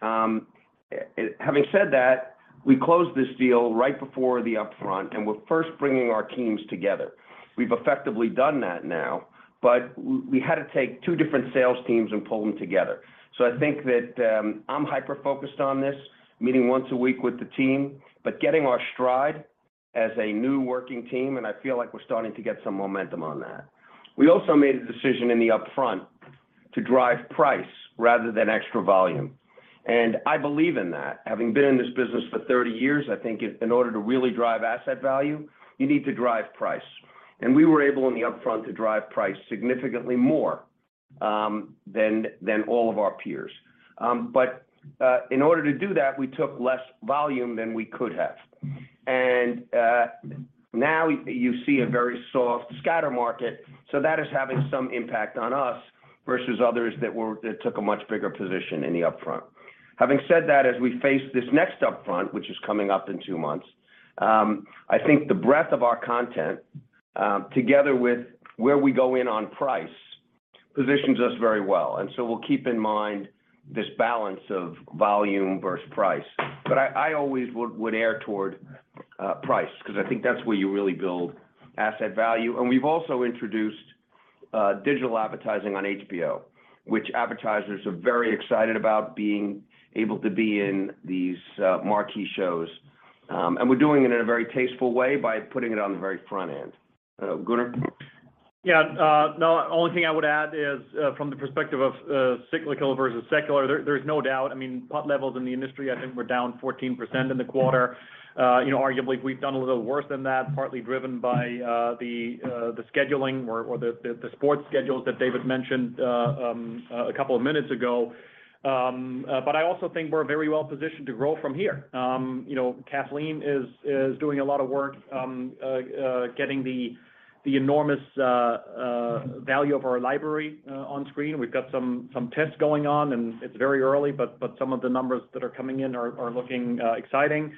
Having said that, we closed this deal right before the upfront. We're first bringing our teams together. We've effectively done that now, but we had to take two different sales teams and pull them together. I think that I'm hyper-focused on this, meeting once a week with the team, but getting our stride as a new working team, and I feel like we're starting to get some momentum on that. We also made a decision in the upfront to drive price rather than extra volume. I believe in that. Having been in this business for 30 years, I think in order to really drive asset value, you need to drive price. We were able in the upfront to drive price significantly more than all of our peers. In order to do that, we took less volume than we could have. Now you see a very soft scatter market, so that is having some impact on us versus others that took a much bigger position in the upfront. Having said that, as we face this next upfront, which is coming up in two months, I think the breadth of our content, together with where we go in on price, positions us very well. We'll keep in mind this balance of volume versus price. I always would err toward price because I think that's where you really build asset value. We've also introduced, digital advertising on HBO, which advertisers are very excited about being able to be in these, marquee shows. We're doing it in a very tasteful way by putting it on the very front end. Gunnar? Yeah, no, only thing I would add is from the perspective of cyclical versus secular, there's no doubt. I mean, POT levels in the industry, I think were down 14% in the quarter. You know, arguably, we've done a little worse than that, partly driven by the scheduling or the sports schedules that David mentioned a couple of minutes ago. I also think we're very well positioned to grow from here. You know, Kathleen is doing a lot of work getting the enormous value of our library on screen. We've got some tests going on, and it's very early, but some of the numbers that are coming in are looking exciting.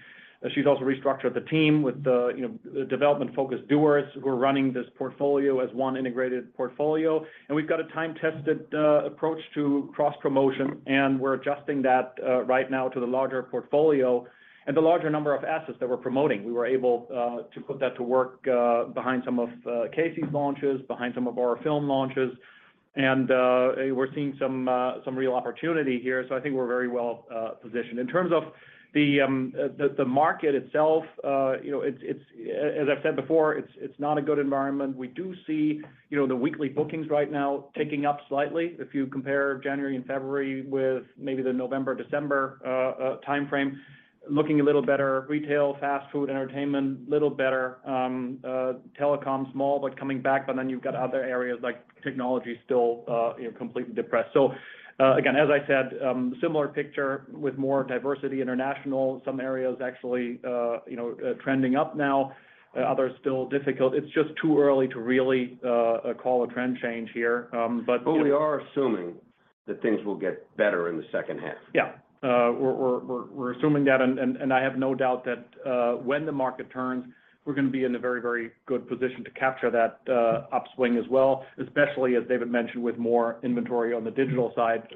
She's also restructured the team with the, you know, development-focused doers who are running this portfolio as one integrated portfolio. We've got a time-tested approach to cross-promotion, and we're adjusting that right now to the larger portfolio and the larger number of assets that we're promoting. We were able to put that to work behind some of Casey's launches, behind some of our film launches. We're seeing some real opportunity here. I think we're very well positioned. In terms of the market itself, you know, it's as I've said before, it's not a good environment. We do see, you know, the weekly bookings right now ticking up slightly. If you compare January and February with maybe the November, December timeframe, looking a little better. Retail, fast food, entertainment, little better. telecom, small, but coming back. You've got other areas like technology still, you know, completely depressed. Again, as I said, similar picture with more diversity international. Some areas actually, you know, trending up now, others still difficult. It's just too early to really, call a trend change here. We are assuming that things will get better in the second half. Yeah. we're assuming that and I have no doubt that when the market turns, we're gonna be in a very, very good position to capture that upswing as well, especially as David mentioned, with more inventory on the digital side,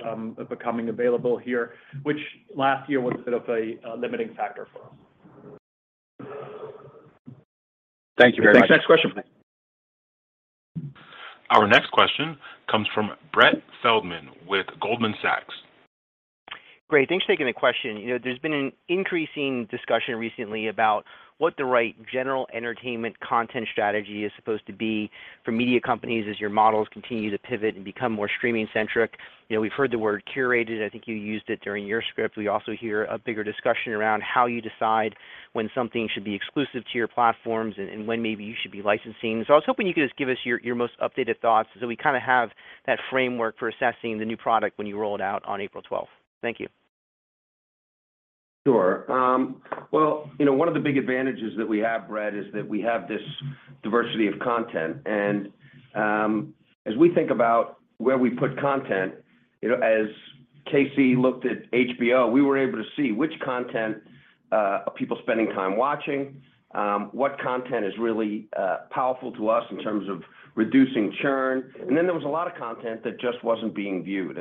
becoming available here, which last year was a bit of a limiting factor for us. Thank you very much. Next question. Our next question comes from Brett Feldman with Goldman Sachs. Great. Thanks for taking the question. You know, there's been an increasing discussion recently about what the right general entertainment content strategy is supposed to be for media companies as your models continue to pivot and become more streaming centric. You know, we've heard the word curated. I think you used it during your script. We also hear a bigger discussion around how you decide when something should be exclusive to your platforms and when maybe you should be licensing. I was hoping you could just give us your most updated thoughts so we kinda have that framework for assessing the new product when you roll it out on April 12th. Thank you. Sure. Well, you know, one of the big advantages that we have, Brad, is that we have this diversity of content. As we think about where we put content, you know, as Casey looked at HBO, we were able to see which content are people spending time watching, what content is really powerful to us in terms of reducing churn. There was a lot of content that just wasn't being viewed.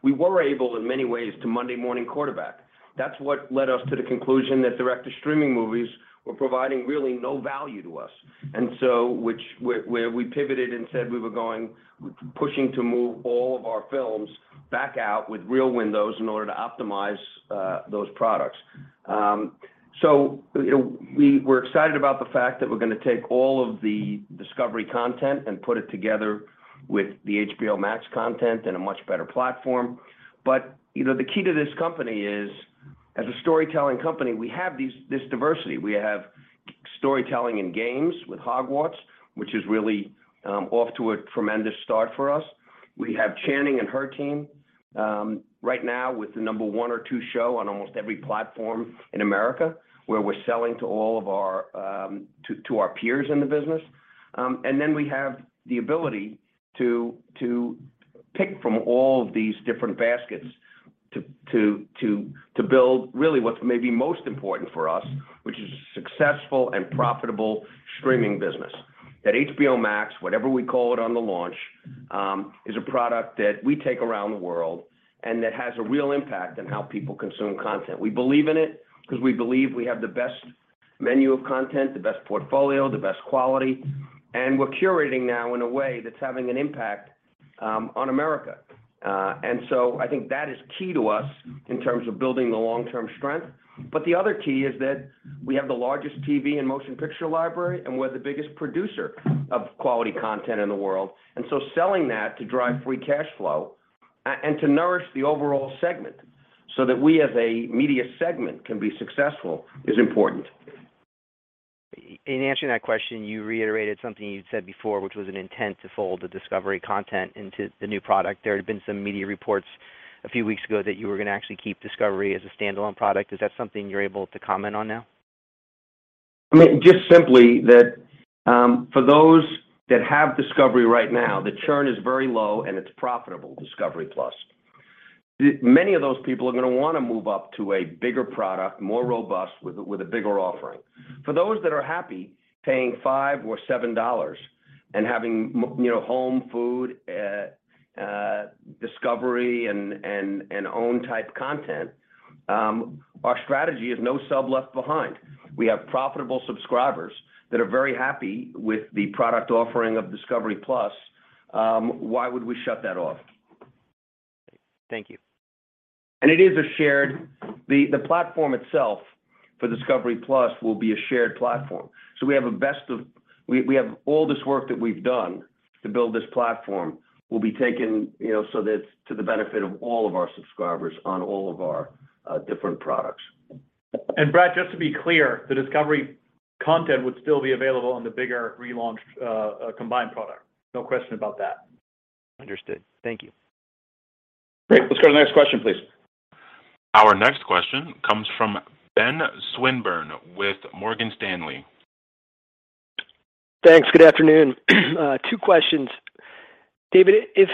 We were able in many ways to Monday morning quarterback. That's what led us to the conclusion that director streaming movies were providing really no value to us. So where we pivoted and said we were going, pushing to move all of our films back out with real windows in order to optimize those products. You know, we were excited about the fact that we're gonna take all of the Discovery content and put it together with the HBO Max content in a much better platform. You know, the key to this company is, as a storytelling company, we have this diversity. We have storytelling in games with Hogwarts, which is really off to a tremendous start for us. We have Channing and her team right now with the number one or two show on almost every platform in America, where we're selling to all of our to our peers in the business. Then we have the ability to pick from all of these different baskets to build really what's maybe most important for us, which is a successful and profitable streaming business. That HBO Max, whatever we call it on the launch, is a product that we take around the world and that has a real impact on how people consume content. We believe in it because we believe we have the best menu of content, the best portfolio, the best quality, and we're curating now in a way that's having an impact on America. I think that is key to us in terms of building the long-term strength. The other key is that we have the largest TV and motion picture library, and we're the biggest producer of quality content in the world. Selling that to drive free cash flow and to nourish the overall segment so that we as a media segment can be successful is important. In answering that question, you reiterated something you said before, which was an intent to fold the Discovery content into the new product. There had been some media reports a few weeks ago that you were gonna actually keep Discovery as a standalone product. Is that something you're able to comment on now? I mean, just simply that, for those that have Discovery right now, the churn is very low and it's profitable, discovery+. Many of those people are gonna wanna move up to a bigger product, more robust with a bigger offering. For those that are happy paying $5 or $7 and having you know, home, food, Discovery and OWN type content, our strategy is no sub left behind. We have profitable subscribers that are very happy with the product offering of discovery+, why would we shut that off? Thank you. It is a shared... The platform itself for discovery+ will be a shared platform. We have all this work that we've done to build this platform will be taken, you know, so that's to the benefit of all of our subscribers on all of our different products. Brad, just to be clear, the Discovery content would still be available on the bigger relaunched combined product. No question about that. Understood. Thank you. Great. Let's go to the next question, please. Our next question comes from Ben Swinburne with Morgan Stanley. Thanks. Good afternoon. Two questions. David, if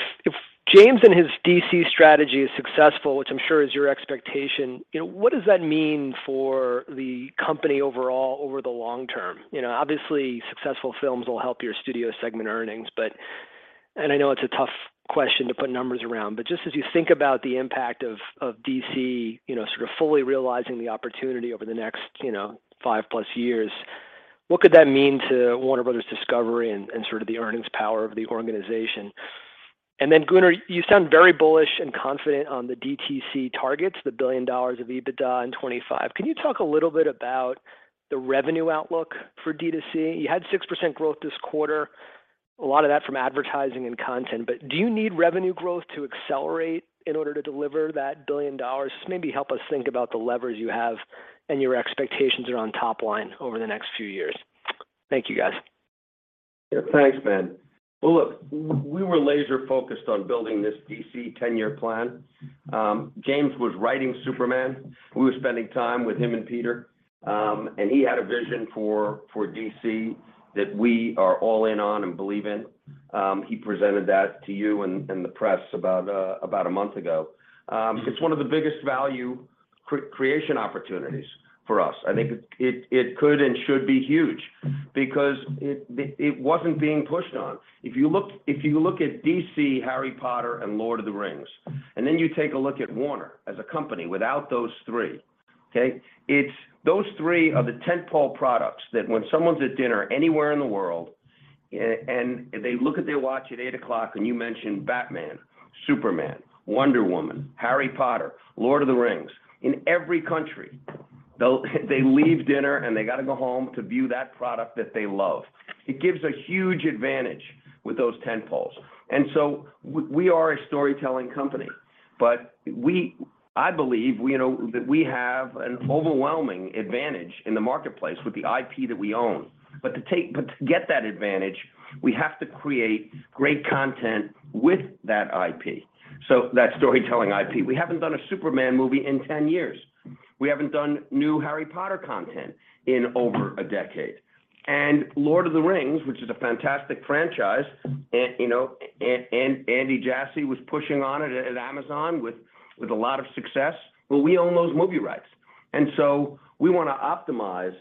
James and his DC strategy is successful, which I'm sure is your expectation, you know, what does that mean for the company overall over the long term? You know, obviously, successful films will help your studio segment earnings. But I know it's a tough question to put numbers around, but just as you think about the impact of DC, you know, sort of fully realizing the opportunity over the next, you know, 5+ years, what could that mean to Warner Bros. Discovery and sort of the earnings power of the organization? Then Gunnar, you sound very bullish and confident on the DTC targets, the $1 billion of EBITDA in 2025. Can you talk a little bit about the revenue outlook for D2C? You had 6% growth this quarter, a lot of that from advertising and content, but do you need revenue growth to accelerate in order to deliver that $1 billion? Maybe help us think about the levers you have and your expectations around top line over the next few years. Thank you, guys. Yeah. Thanks, Ben. Well, look, we were laser focused on building this DC 10-year plan. James was writing Superman. We were spending time with him and Peter. He had a vision for DC that we are all in on and believe in. He presented that to you and the press about a month ago. It's one of the biggest value creation opportunities for us. I think it could and should be huge because it wasn't being pushed on. If you look at DC, Harry Potter, and Lord of the Rings, you take a look at Warner as a company without those three, okay? It's those three are the tent-pole products that when someone's at dinner anywhere in the world. They look at their watch at eight o'clock, you mention Batman, Superman, Wonder Woman, Harry Potter, Lord of the Rings. In every country, they leave dinner, and they got to go home to view that product that they love. It gives a huge advantage with those tentpoles. We are a storytelling company, but I believe we, you know, that we have an overwhelming advantage in the marketplace with the IP that we own. But to get that advantage, we have to create great content with that IP. That storytelling IP. We haven't done a Superman movie in 10 years. We haven't done new Harry Potter content in over a decade. Lord of the Rings, which is a fantastic franchise, you know, Andy Jassy was pushing on it at Amazon with a lot of success. Well, we own those movie rights. We want to optimize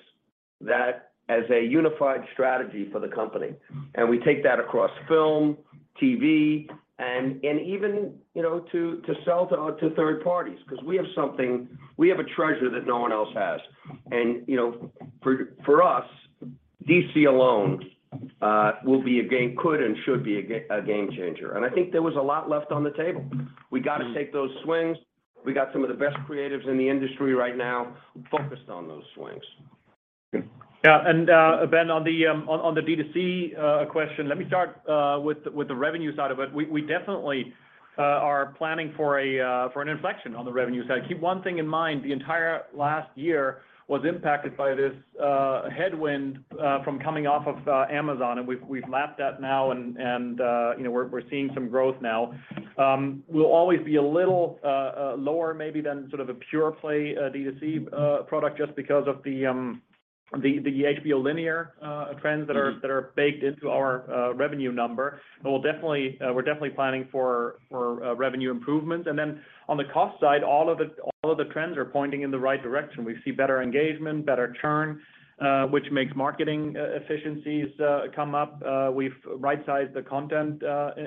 that as a unified strategy for the company. We take that across film, TV, even, you know, to sell to third parties because we have a treasure that no one else has. You know, for us, DC alone will be a game could and should be a game changer. I think there was a lot left on the table. We got to take those swings. We got some of the best creatives in the industry right now focused on those swings. Yeah. Ben, on the D2C question, let me start with the revenue side of it. We definitely are planning for an inflection on the revenue side. Keep one thing in mind, the entire last year was impacted by this headwind from coming off of Amazon, and we've lapped that now and, you know, we're seeing some growth now. We'll always be a little lower maybe than sort of a pure play D2C product just because of the HBO linear trends that are... Mm-hmm... that are baked into our revenue number. We're definitely planning for revenue improvement. On the cost side, all of the trends are pointing in the right direction. We see better engagement, better churn, which makes marketing e-efficiencies come up. We've right-sized the content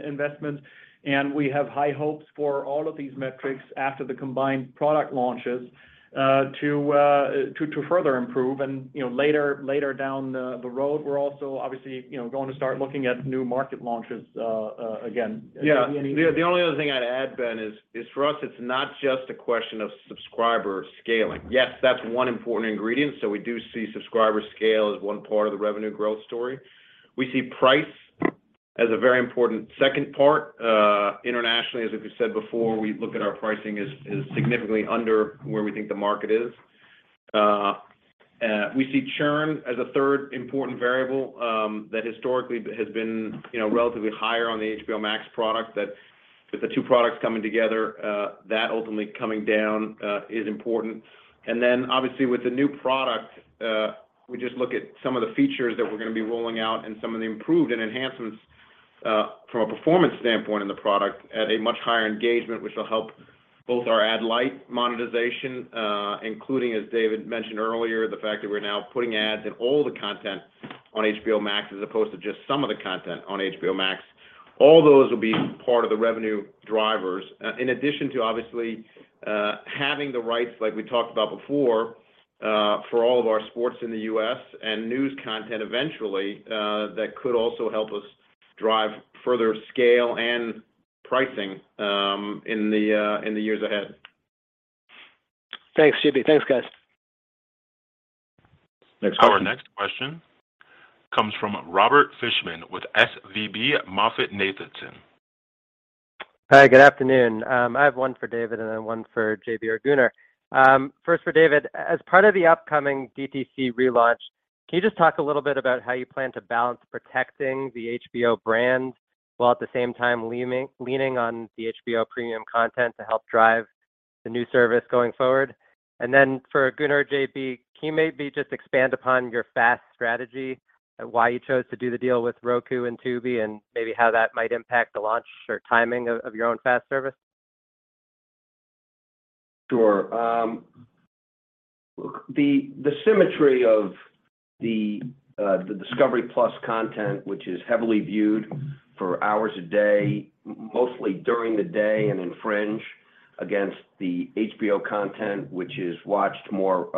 investment, and we have high hopes for all of these metrics after the combined product launches to further improve. You know, later down the road, we're also obviously, you know, going to start looking at new market launches again. The only other thing I'd add, Ben, is for us it's not just a question of subscriber scaling. Yes, that's 1 important ingredient, so we do see subscriber scale as one part of the revenue growth story. We see price as a very important second part. Internationally, as we said before, we look at our pricing as significantly under where we think the market is. We see churn as a 3rd important variable, that historically has been, you know, relatively higher on the HBO Max product that with the two products coming together, that ultimately coming down is important. Obviously with the new product, we just look at some of the features that we're gonna be rolling out and some of the improved and enhancements from a performance standpoint in the product at a much higher engagement, which will help both our ad light monetization, including, as David mentioned earlier, the fact that we're now putting ads in all the content on HBO Max as opposed to just some of the content on HBO Max. All those will be part of the revenue drivers. In addition to obviously having the rights, like we talked about before, for all of our sports in the U.S. and news content eventually, that could also help us drive further scale and pricing in the years ahead. Thanks, JB. Thanks, guys. Next question. Our next question comes from Robert Fishman with SVB MoffettNathanson. Hi, good afternoon. I have one for David and then one for JB or Gunnar. First for David. As part of the upcoming D2C relaunch, can you just talk a little bit about how you plan to balance protecting the HBO brand while at the same time leaning on the HBO premium content to help drive the new service going forward? For Gunnar or JB, can you maybe just expand upon your FAST strategy and why you chose to do the deal with Roku and Tubi, and maybe how that might impact the launch or timing of your own FAST service? Sure. The symmetry of the discovery+ content, which is heavily viewed for hours a day, mostly during the day and infringe against the HBO content, which is watched more,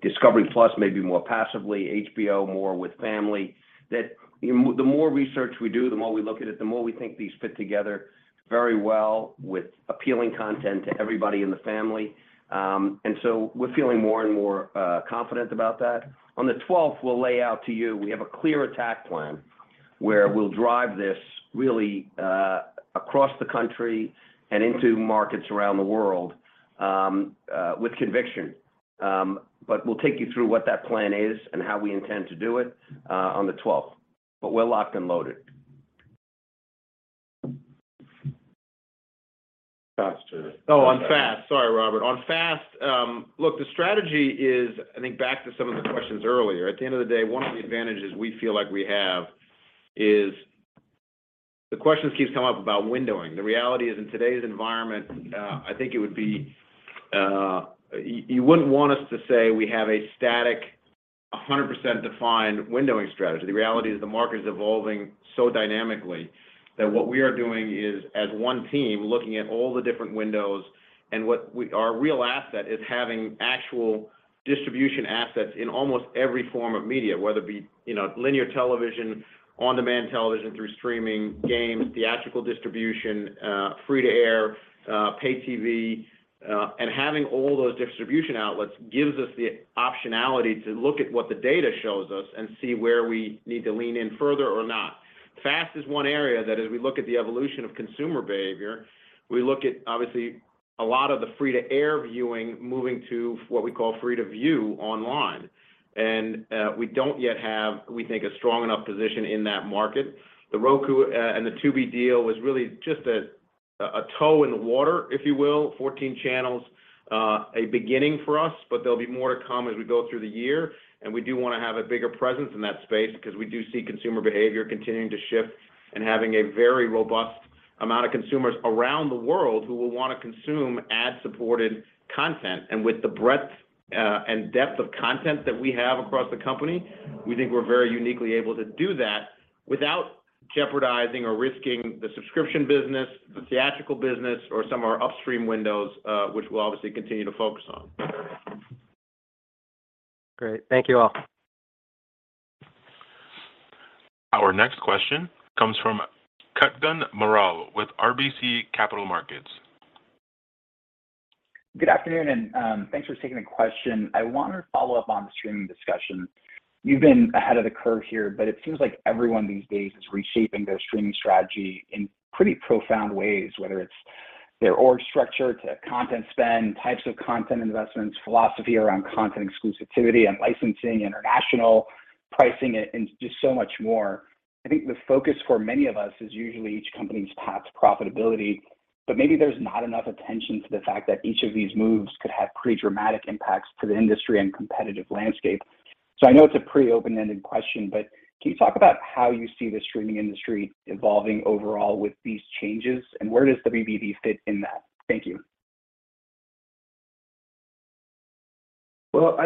discovery+ maybe more passively, HBO more with family, the more research we do, the more we look at it, the more we think these fit together very well with appealing content to everybody in the family. We're feeling more and more confident about that. On the 12th, we'll lay out to you. We have a clear attack plan where we'll drive this really across the country and into markets around the world with conviction. We'll take you through what that plan is and how we intend to do it on the twelfth. We're locked and loaded. FAST. Oh, on FAST. Sorry, Robert. On FAST, look, the strategy is, I think back to some of the questions earlier. At the end of the day, one of the advantages we feel like we have is the question keeps coming up about windowing. The reality is, in today's environment, I think it would be, you wouldn't want us to say we have a static A 100% defined windowing strategy. The reality is the market is evolving so dynamically that what we are doing is, as one team, looking at all the different windows and what our real asset is having actual distribution assets in almost every form of media, whether it be, you know, linear television, on-demand television through streaming, games, theatrical distribution, free-to-air, pay TV. Having all those distribution outlets gives us the optionality to look at what the data shows us and see where we need to lean in further or not. FAST is one area that as we look at the evolution of consumer behavior, we look at obviously a lot of the free-to-air viewing moving to what we call free-to-view online. We don't yet have, we think, a strong enough position in that market. The Roku and the Tubi deal was really just a toe in the water, if you will, 14 channels, a beginning for us, but there'll be more to come as we go through the year. We do wanna have a bigger presence in that space because we do see consumer behavior continuing to shift and having a very robust amount of consumers around the world who will wanna consume ad-supported content. With the breadth and depth of content that we have across the company, we think we're very uniquely able to do that without jeopardizing or risking the subscription business, the theatrical business or some of our upstream windows, which we'll obviously continue to focus on. Great. Thank you all. Our next question comes from Kutgun Maral with RBC Capital Markets. Good afternoon, thanks for taking the question. I wanted to follow up on the streaming discussion. You've been ahead of the curve here, it seems like everyone these days is reshaping their streaming strategy in pretty profound ways, whether it's their org structure to content spend, types of content investments, philosophy around content exclusivity and licensing, international pricing it, and just so much more. I think the focus for many of us is usually each company's path to profitability, maybe there's not enough attention to the fact that each of these moves could have pretty dramatic impacts to the industry and competitive landscape. I know it's a pretty open-ended question, can you talk about how you see the streaming industry evolving overall with these changes, and where does WBD fit in that? Thank you. Well,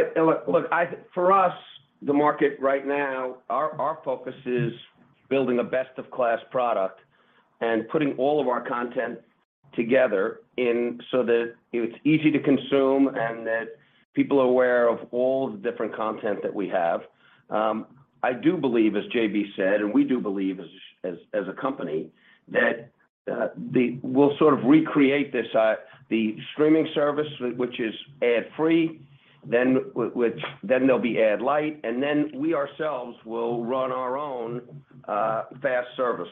for us, the market right now, our focus is building a best-of-class product and putting all of our content together in so that it's easy to consume and that people are aware of all the different content that we have. I do believe, as JB said, and we do believe as a company, that we'll sort of recreate this, the streaming service which is ad-free, then there'll be ad light, and then we ourselves will run our own FAST service.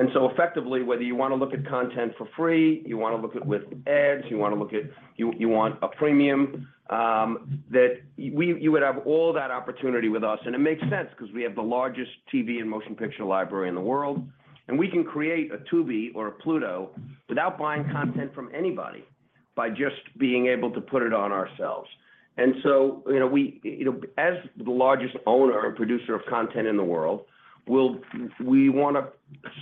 Effectively, whether you wanna look at content for free, you wanna look at with ads, you want a premium, that you would have all that opportunity with us. It makes sense 'cause we have the largest TV and motion picture library in the world, and we can create a Tubi or a Pluto without buying content from anybody by just being able to put it on ourselves. You know, we, you know, as the largest owner and producer of content in the world, we wanna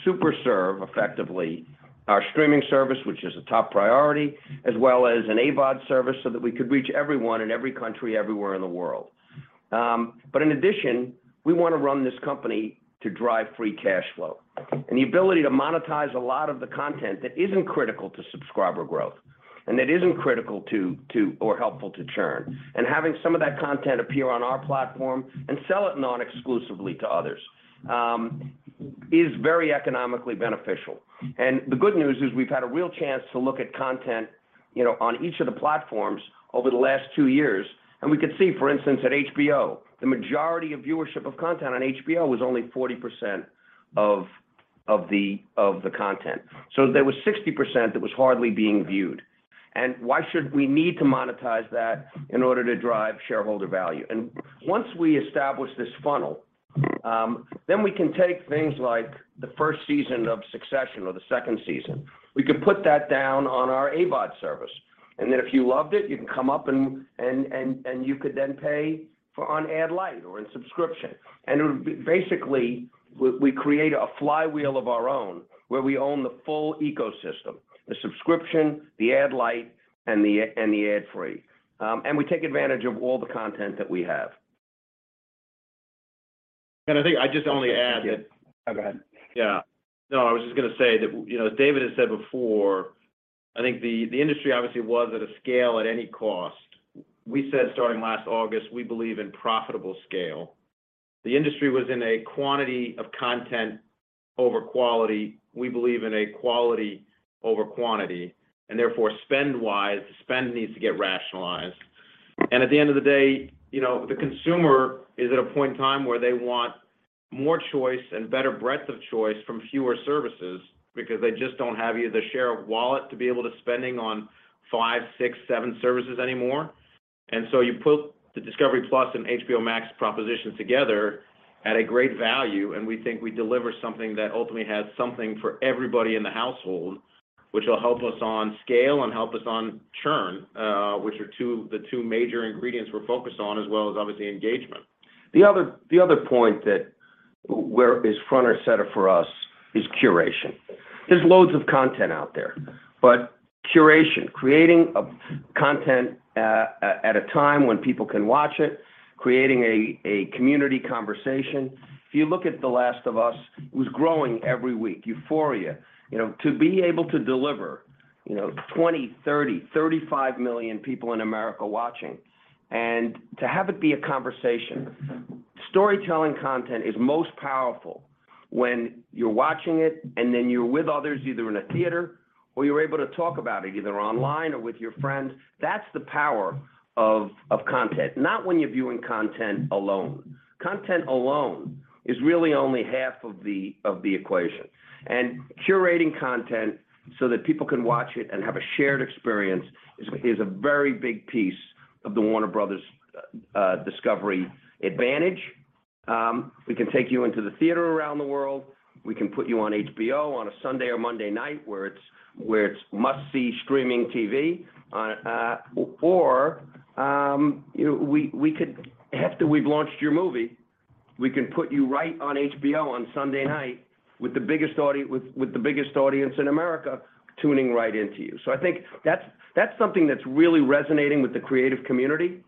super serve effectively our streaming service, which is a top priority, as well as an AVOD service so that we could reach everyone in every country everywhere in the world. In addition, we wanna run this company to drive free cash flow. The ability to monetize a lot of the content that isn't critical to subscriber growth and that isn't critical to or helpful to churn, having some of that content appear on our platform and sell it non-exclusively to others, is very economically beneficial. The good news is we've had a real chance to look at content, you know, on each of the platforms over the last 2 years, we could see, for instance, at HBO, the majority of viewership of content on HBO was only 40% of the content. There was 60% that was hardly being viewed. Why should we need to monetize that in order to drive shareholder value? Once we establish this funnel, then we can take things like the first season of Succession or the second season. We could put that down on our AVOD service. Then if you loved it, you can come up and you could then pay for on ad light or in subscription. Basically, we create a flywheel of our own where we own the full ecosystem, the subscription, the ad light, and the ad free. We take advantage of all the content that we have. I think I'd just only add that. Oh, go ahead. Yeah. No, I was just gonna say that, you know, as David Zaslav has said before, I think the industry obviously was at a scale at any cost. We said starting last August, we believe in profitable scale. The industry was in a quantity of content over quality. We believe in a quality over quantity, therefore spend-wise, spend needs to get rationalized. At the end of the day, you know, the consumer is at a point in time where they want more choice and better breadth of choice from fewer services because they just don't have either share of wallet to be able to spending on 5, 6, 7 services anymore. You put the discovery+ and HBO Max propositions together at a great value, and we think we deliver something that ultimately has something for everybody in the household, which will help us on scale and help us on churn, which are the two major ingredients we're focused on, as well as obviously engagement. The other point where is front and center for us is curation. There's loads of content out there, but curation, creating content at a time when people can watch it, creating a community conversation. If you look at The Last of Us, it was growing every week. Euphoria. You know, to be able to deliver, you know, 20, 30, 35 million people in America watching and to have it be a conversation. Storytelling content is most powerful when you're watching it and then you're with others, either in a theater or you're able to talk about it, either online or with your friends. That's the power of content. Not when you're viewing content alone. Content alone is really only half of the equation. Curating content so that people can watch it and have a shared experience is a very big piece of the Warner Bros. Discovery advantage. We can take you into the theater around the world. We can put you on HBO on a Sunday or Monday night where it's must-see streaming TV. or, you know, after we've launched your movie, we can put you right on HBO on Sunday night with the biggest audience in America tuning right into you. I think that's something that's really resonating with the creative community,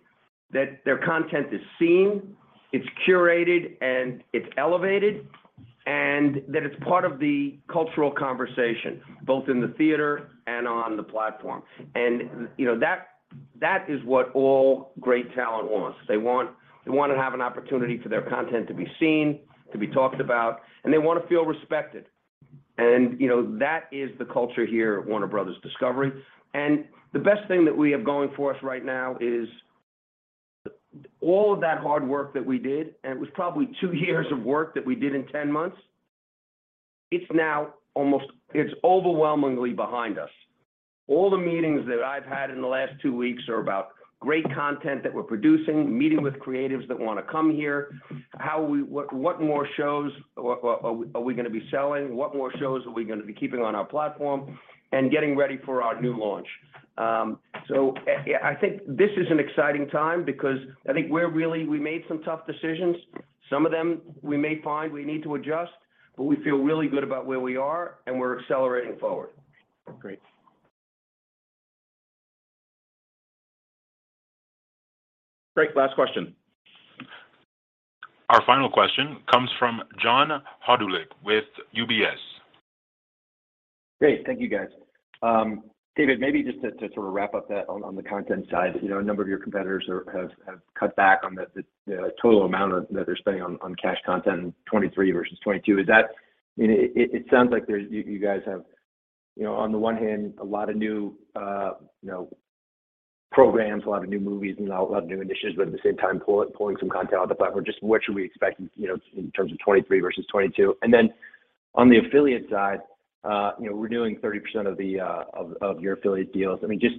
that their content is seen, it's curated, and it's elevated, and that it's part of the cultural conversation, both in the theater and on the platform. you know, that is what all great talent wants. They wanna have an opportunity for their content to be seen, to be talked about, and they wanna feel respected. You know, that is the culture here at Warner Bros. Discovery. The best thing that we have going for us right now is all of that hard work that we did, and it was probably two years of work that we did in 10 months, it's now overwhelmingly behind us. All the meetings that I've had in the last two weeks are about great content that we're producing, meeting with creatives that wanna come here, what more shows, what are we gonna be selling, what more shows are we gonna be keeping on our platform, and getting ready for our new launch. Yeah, I think this is an exciting time because I think we made some tough decisions. Some of them we may find we need to adjust, but we feel really good about where we are, and we're accelerating forward. Great. Last question. Our final question comes from John Hodulik with UBS. Great. Thank you, guys. David, maybe just to sort of wrap up that on the content side. You know, a number of your competitors have cut back on the total amount that they're spending on cash content in 2023 versus 2022. You know, it sounds like there's you guys have, you know, on the one hand, a lot of new, you know, programs, a lot of new movies, and a lot of new initiatives, but at the same time, pulling some content off the platform. Just what should we expect, you know, in terms of 2023 versus 2022? Then on the affiliate side, you know, renewing 30% of the of your affiliate deals. I mean, just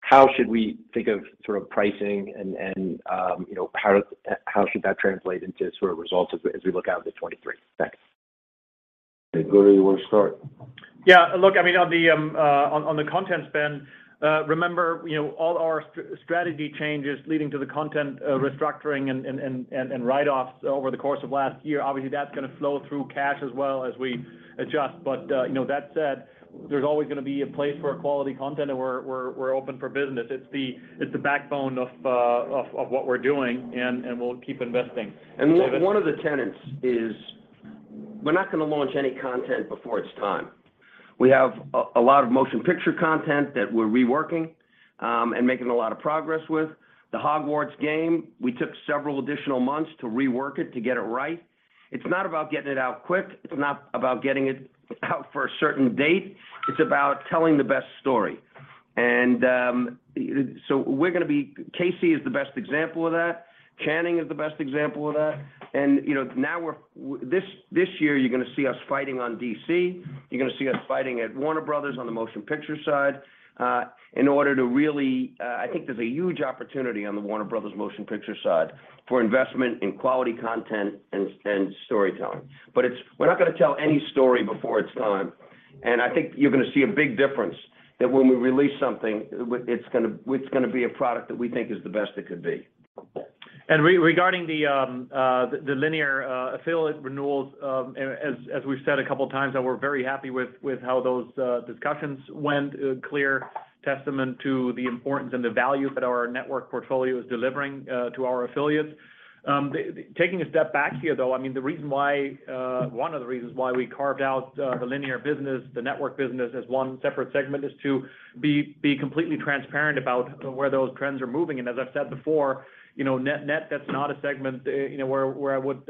how should we think of sort of pricing and, you know, how should that translate into sort of results as we look out into 2023? Thanks. Okay. Guru, you wanna start? Yeah. Look, I mean, on the content spend, remember, you know, all our strategy changes leading to the content, restructuring and write-offs over the course of last year, obviously that's gonna flow through cash as well as we adjust. You know, that said, there's always gonna be a place for quality content, and we're open for business. It's the backbone of what we're doing and we'll keep investing. David? One of the tenets is we're not gonna launch any content before it's time. We have a lot of motion picture content that we're reworking and making a lot of progress with. The Hogwarts game, we took several additional months to rework it to get it right. It's not about getting it out quick. It's not about getting it out for a certain date. It's about telling the best story. Casey is the best example of that. Channing is the best example of that. You know, this year you're gonna see us fighting on DC. You're gonna see us fighting at Warner Bros. on the motion picture side in order to really. I think there's a huge opportunity on the Warner Bros. motion picture side for investment in quality content and storytelling. We're not gonna tell any story before it's time. I think you're gonna see a big difference that when we release something, it's gonna be a product that we think is the best it could be. Regarding the linear affiliate renewals, as we've said a couple times that we're very happy with how those discussions went. A clear testament to the importance and the value that our network portfolio is delivering to our affiliates. Taking a step back here, though, I mean, the reason why one of the reasons why we carved out the linear business, the network business as one separate segment is to be completely transparent about where those trends are moving. As I've said before, you know, net, that's not a segment, you know, where I would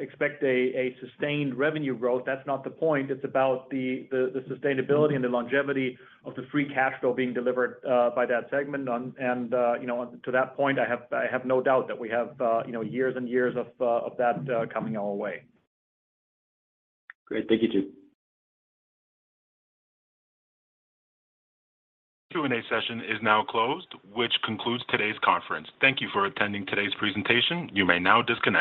expect a sustained revenue growth. That's not the point. It's about the sustainability and the longevity of the free cash flow being delivered by that segment. You know, to that point, I have no doubt that we have, you know, years and years of that coming our way. Great. Thank you, two. Q&A session is now closed, which concludes today's conference. Thank you for attending today's presentation. You may now disconnect.